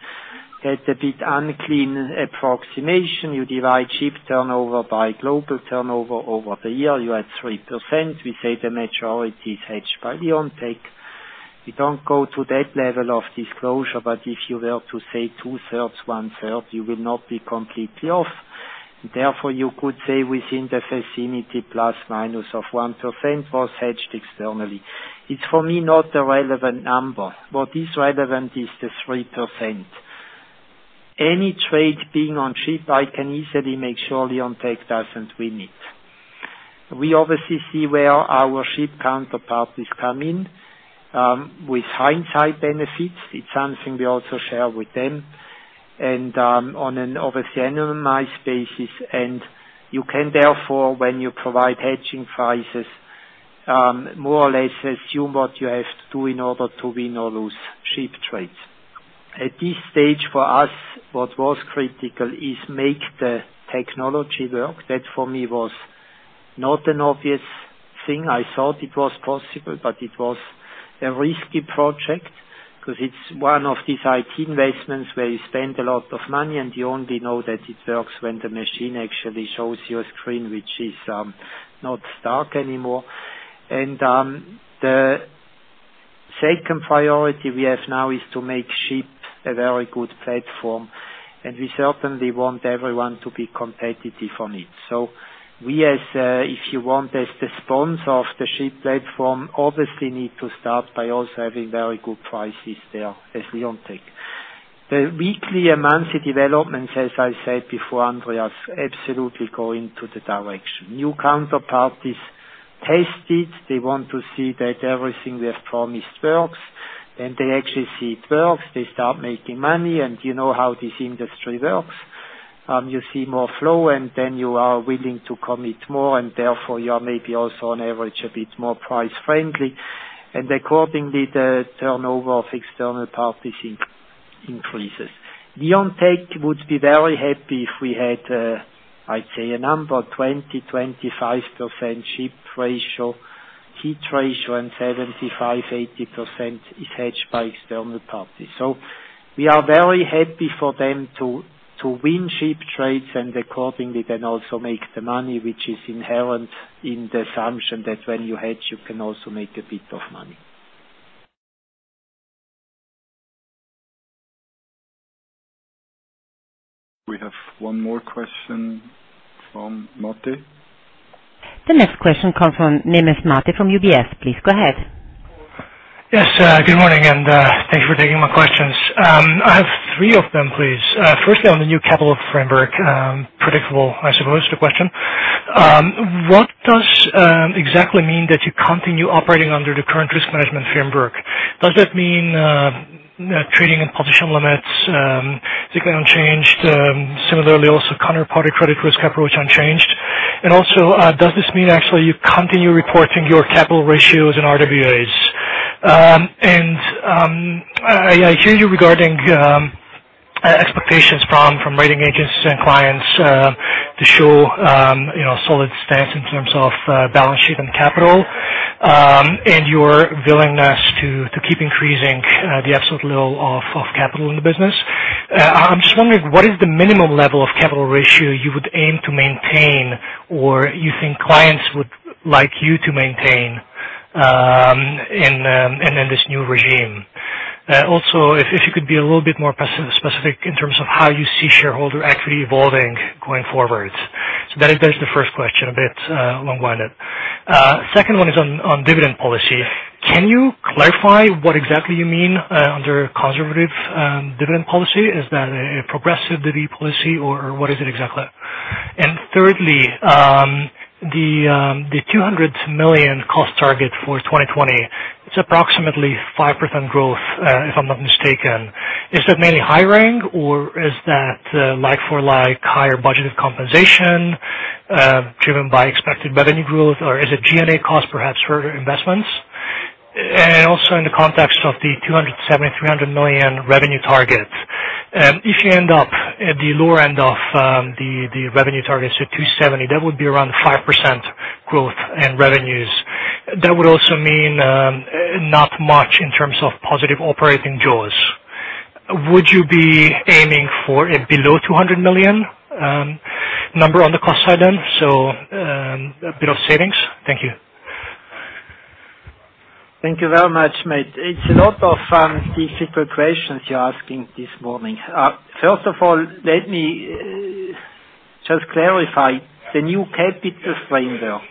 a bit unclean approximation, you divide SHIP turnover by global turnover over the year, you add 3%. We say the majority is hedged by Leonteq. We don't go to that level of disclosure, but if you were to say two-thirds, one-third, you will not be completely off. Therefore, you could say within the vicinity, plus, minus of 1% was hedged externally. It's, for me, not the relevant number. What is relevant is the 3%. Any trade being on SHIP, I can easily make sure Leonteq doesn't win it. We obviously see where our SHIP counterparts come in. With hindsight benefits, it's something we also share with them and on an obviously anonymized basis. You can therefore, when you provide hedging prices, more or less assume what you have to do in order to win or lose SHIP trades. At this stage, for us, what was critical is make the technology work. That, for me, was not an obvious thing. I thought it was possible, it was a risky project because it's one of these IT investments where you spend a lot of money, and you only know that it works when the machine actually shows you a screen which is not stuck anymore. The second priority we have now is to make SHIP a very good platform, and we certainly want everyone to be competitive on it. We, as the sponsor of the SHIP platform, obviously need to start by also having very good prices there as Leonteq. The weekly and monthly developments, as I said before, Andreas, absolutely go into the direction. New counterparties test it. They want to see that everything they have promised works, and they actually see it works. They start making money, and you know how this industry works. You see more flow, then you are willing to commit more, therefore you are maybe also on average, a bit more price-friendly. Accordingly, the turnover of external parties increases. Leonteq would be very happy if we had, I'd say a number 20%-25% SHIP ratio, heat ratio, and 75%-80% is hedged by external parties. We are very happy for them to win SHIP trades, accordingly, then also make the money, which is inherent in the assumption that when you hedge, you can also make a bit of money. We have one more question from Mate. The next question comes from Mate Nemes from UBS. Please go ahead. Yes, good morning, and thank you for taking my questions. I have three of them, please. Firstly, on the new capital framework, predictable, I suppose, the question. What does exactly mean that you continue operating under the current risk management framework? Does that mean trading and position limits significantly unchanged? Similarly, also counterparty credit risk approach unchanged. Also, does this mean actually you continue reporting your capital ratios and RWAs? I hear you regarding expectations from rating agencies and clients to show solid stance in terms of balance sheet and capital, and your willingness to keep increasing the absolute level of capital in the business. I'm just wondering, what is the minimum level of capital ratio you would aim to maintain or you think clients would like you to maintain in this new regime? If you could be a little bit more specific in terms of how you see shareholder equity evolving going forward. That is the first question, a bit long-winded. Second one is on dividend policy. Can you clarify what exactly you mean under conservative dividend policy? Is that a progressive dividend policy or what is it exactly? Thirdly, the 200 million cost target for 2020. It's approximately 5% growth, if I'm not mistaken. Is that mainly hiring or is that like for like higher budgeted compensation, driven by expected revenue growth, or is it G&A cost perhaps further investments? Also in the context of the 270 million, 300 million revenue target. If you end up at the lower end of the revenue targets at 270 million, that would be around 5% growth in revenues. That would also mean not much in terms of positive operating jaws. Would you be aiming for a below 200 million number on the cost side then? A bit of savings? Thank you. Thank you very much, Mate. It's a lot of difficult questions you're asking this morning. First of all, let me just clarify. The new capital framework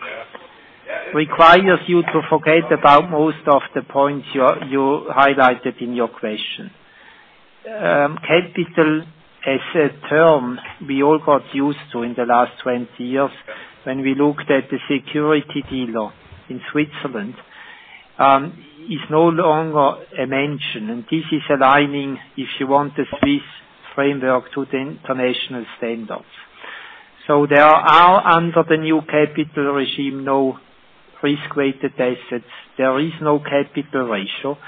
requires you to forget about most of the points you highlighted in your question. Capital as a term we all got used to in the last 20 years when we looked at the security dealer in Switzerland, is no longer a mention. This is aligning, if you want a Swiss framework to the international standards. There are, under the new capital regime, no risk-weighted assets. There is no capital ratio.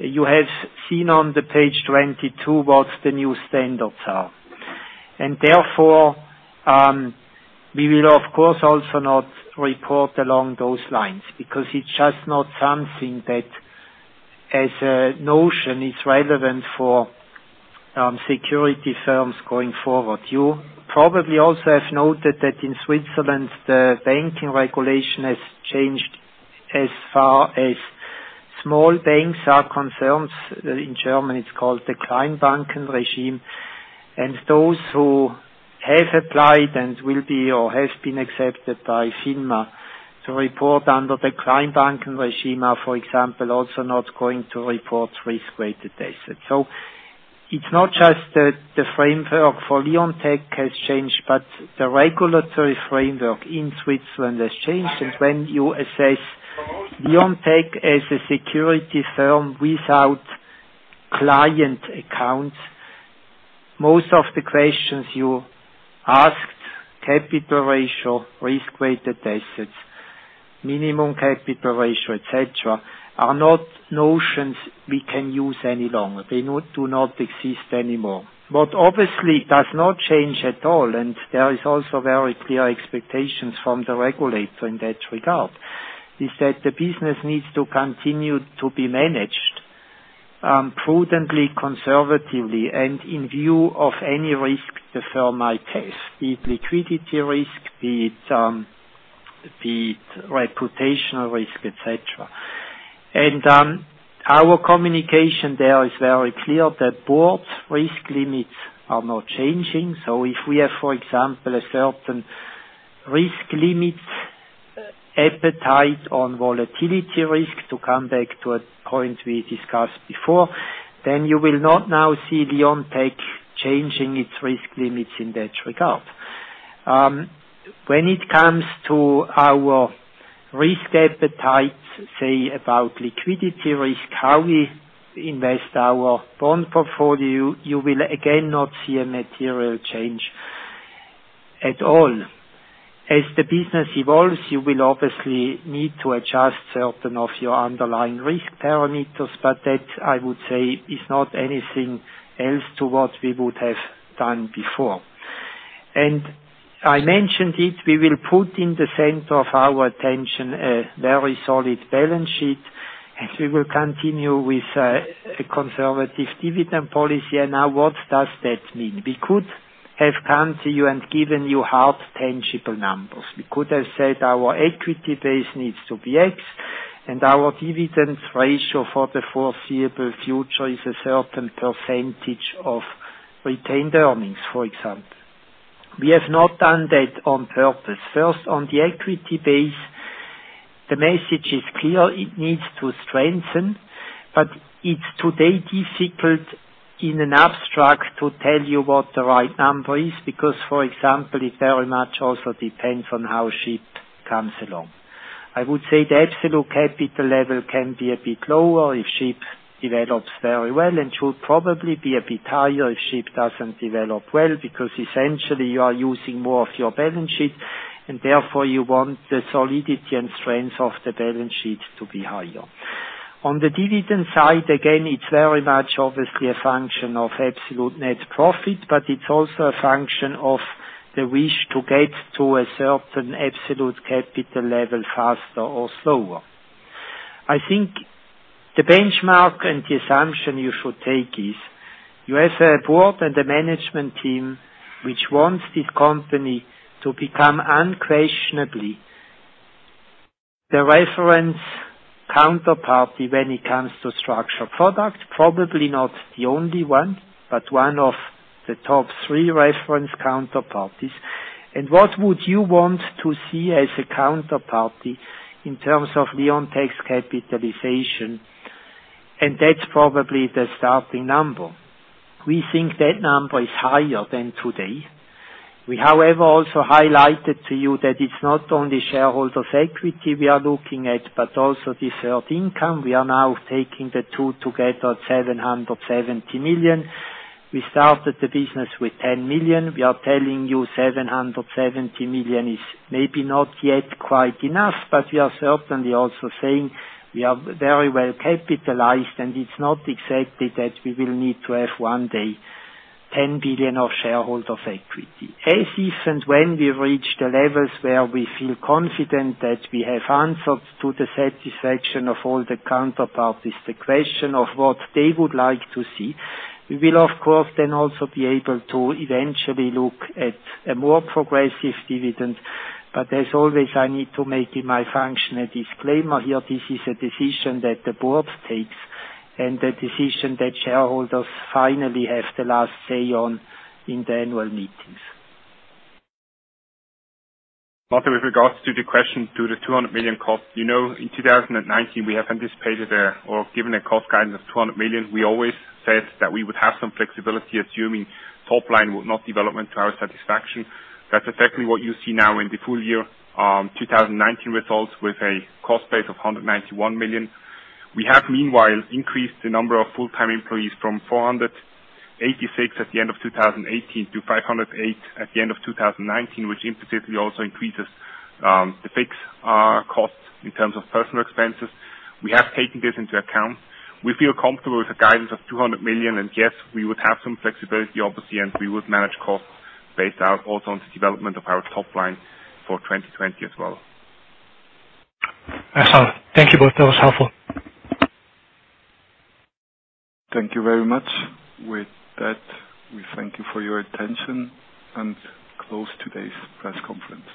You have seen on the page 22 what the new standards are. Therefore, we will of course also not report along those lines because it's just not something that as a notion is relevant for security firms going forward. You probably also have noted that in Switzerland, the banking regulation has changed as far as small banks are concerned. In German, it's called the small banks regime, and those who have applied and will be or have been accepted by FINMA to report under the small banks regime are, for example, also not going to report risk-weighted assets. It's not just that the framework for Leonteq has changed, but the regulatory framework in Switzerland has changed. When you assess Leonteq as a security firm without client accounts, most of the questions you asked, capital ratio, risk-weighted assets, minimum capital ratio, et cetera, are not notions we can use any longer. They do not exist anymore. What obviously does not change at all, there is also very clear expectations from the regulator in that regard, is that the business needs to continue to be managed prudently, conservatively and in view of any risk the firm might face, be it liquidity risk, be it reputational risk, et cetera. Our communication there is very clear that both risk limits are not changing. If we have, for example, a certain risk limit appetite on volatility risk, to come back to a point we discussed before, then you will not now see Leonteq changing its risk limits in that regard. When it comes to our risk appetite, say about liquidity risk, how we invest our bond portfolio, you will again not see a material change at all. As the business evolves, you will obviously need to adjust certain of your underlying risk parameters, but that, I would say, is not anything else to what we would have done before. I mentioned it, we will put in the center of our attention a very solid balance sheet, and we will continue with a conservative dividend policy. Now what does that mean? We could have come to you and given you hard, tangible numbers. We could have said our equity base needs to be X, and our dividend ratio for the foreseeable future is a certain % of retained earnings, for example. We have not done that on purpose. First, on the equity base, the message is clear. It needs to strengthen, but it's today difficult in an abstract to tell you what the right number is because, for example, it very much also depends on how SHIP comes along. I would say the absolute capital level can be a bit lower if SHIP develops very well and should probably be a bit higher if SHIP doesn't develop well, because essentially you are using more of your balance sheet, and therefore you want the solidity and strength of the balance sheet to be higher. On the dividend side, again, it's very much obviously a function of absolute net profit, but it's also a function of the wish to get to a certain absolute capital level faster or slower. I think the benchmark and the assumption you should take is you have a board and a management team which wants this company to become unquestionably the reference counterparty when it comes to structured product. Probably not the only one, but one of the top three reference counterparties. What would you want to see as a counterparty in terms of Leonteq's capitalization? That's probably the starting number. We think that number is higher than today. We, however, also highlighted to you that it's not only shareholders' equity we are looking at, but also the defferred income. We are now taking the two together, 770 million. We started the business with 10 million. We are telling you 770 million is maybe not yet quite enough, but we are certainly also saying we are very well capitalized, and it's not exactly that we will need to have one day 10 billion of shareholder equity. As if and when we reach the levels where we feel confident that we have answers to the satisfaction of all the counterparties, the question of what they would like to see, we will, of course, then also be able to eventually look at a more progressive dividend. As always, I need to make in my function a disclaimer here. This is a decision that the board takes and a decision that shareholders finally have the last say on in the annual meetings. Mate, with regards to the question to the 200 million cost. In 2019, we have anticipated there or given a cost guidance of 200 million. We always said that we would have some flexibility, assuming top line would not development to our satisfaction. That's exactly what you see now in the full year 2019 results with a cost base of 191 million. We have meanwhile increased the number of full-time employees from 486 at the end of 2018 to 508 at the end of 2019, which implicitly also increases the fixed costs in terms of personal expenses. We have taken this into account. We feel comfortable with the guidance of 200 million, and yes, we would have some flexibility obviously, and we would manage costs based out also on the development of our top line for 2020 as well. Excellent. Thank you both. That was helpful. Thank you very much. With that, we thank you for your attention and close today's press conference.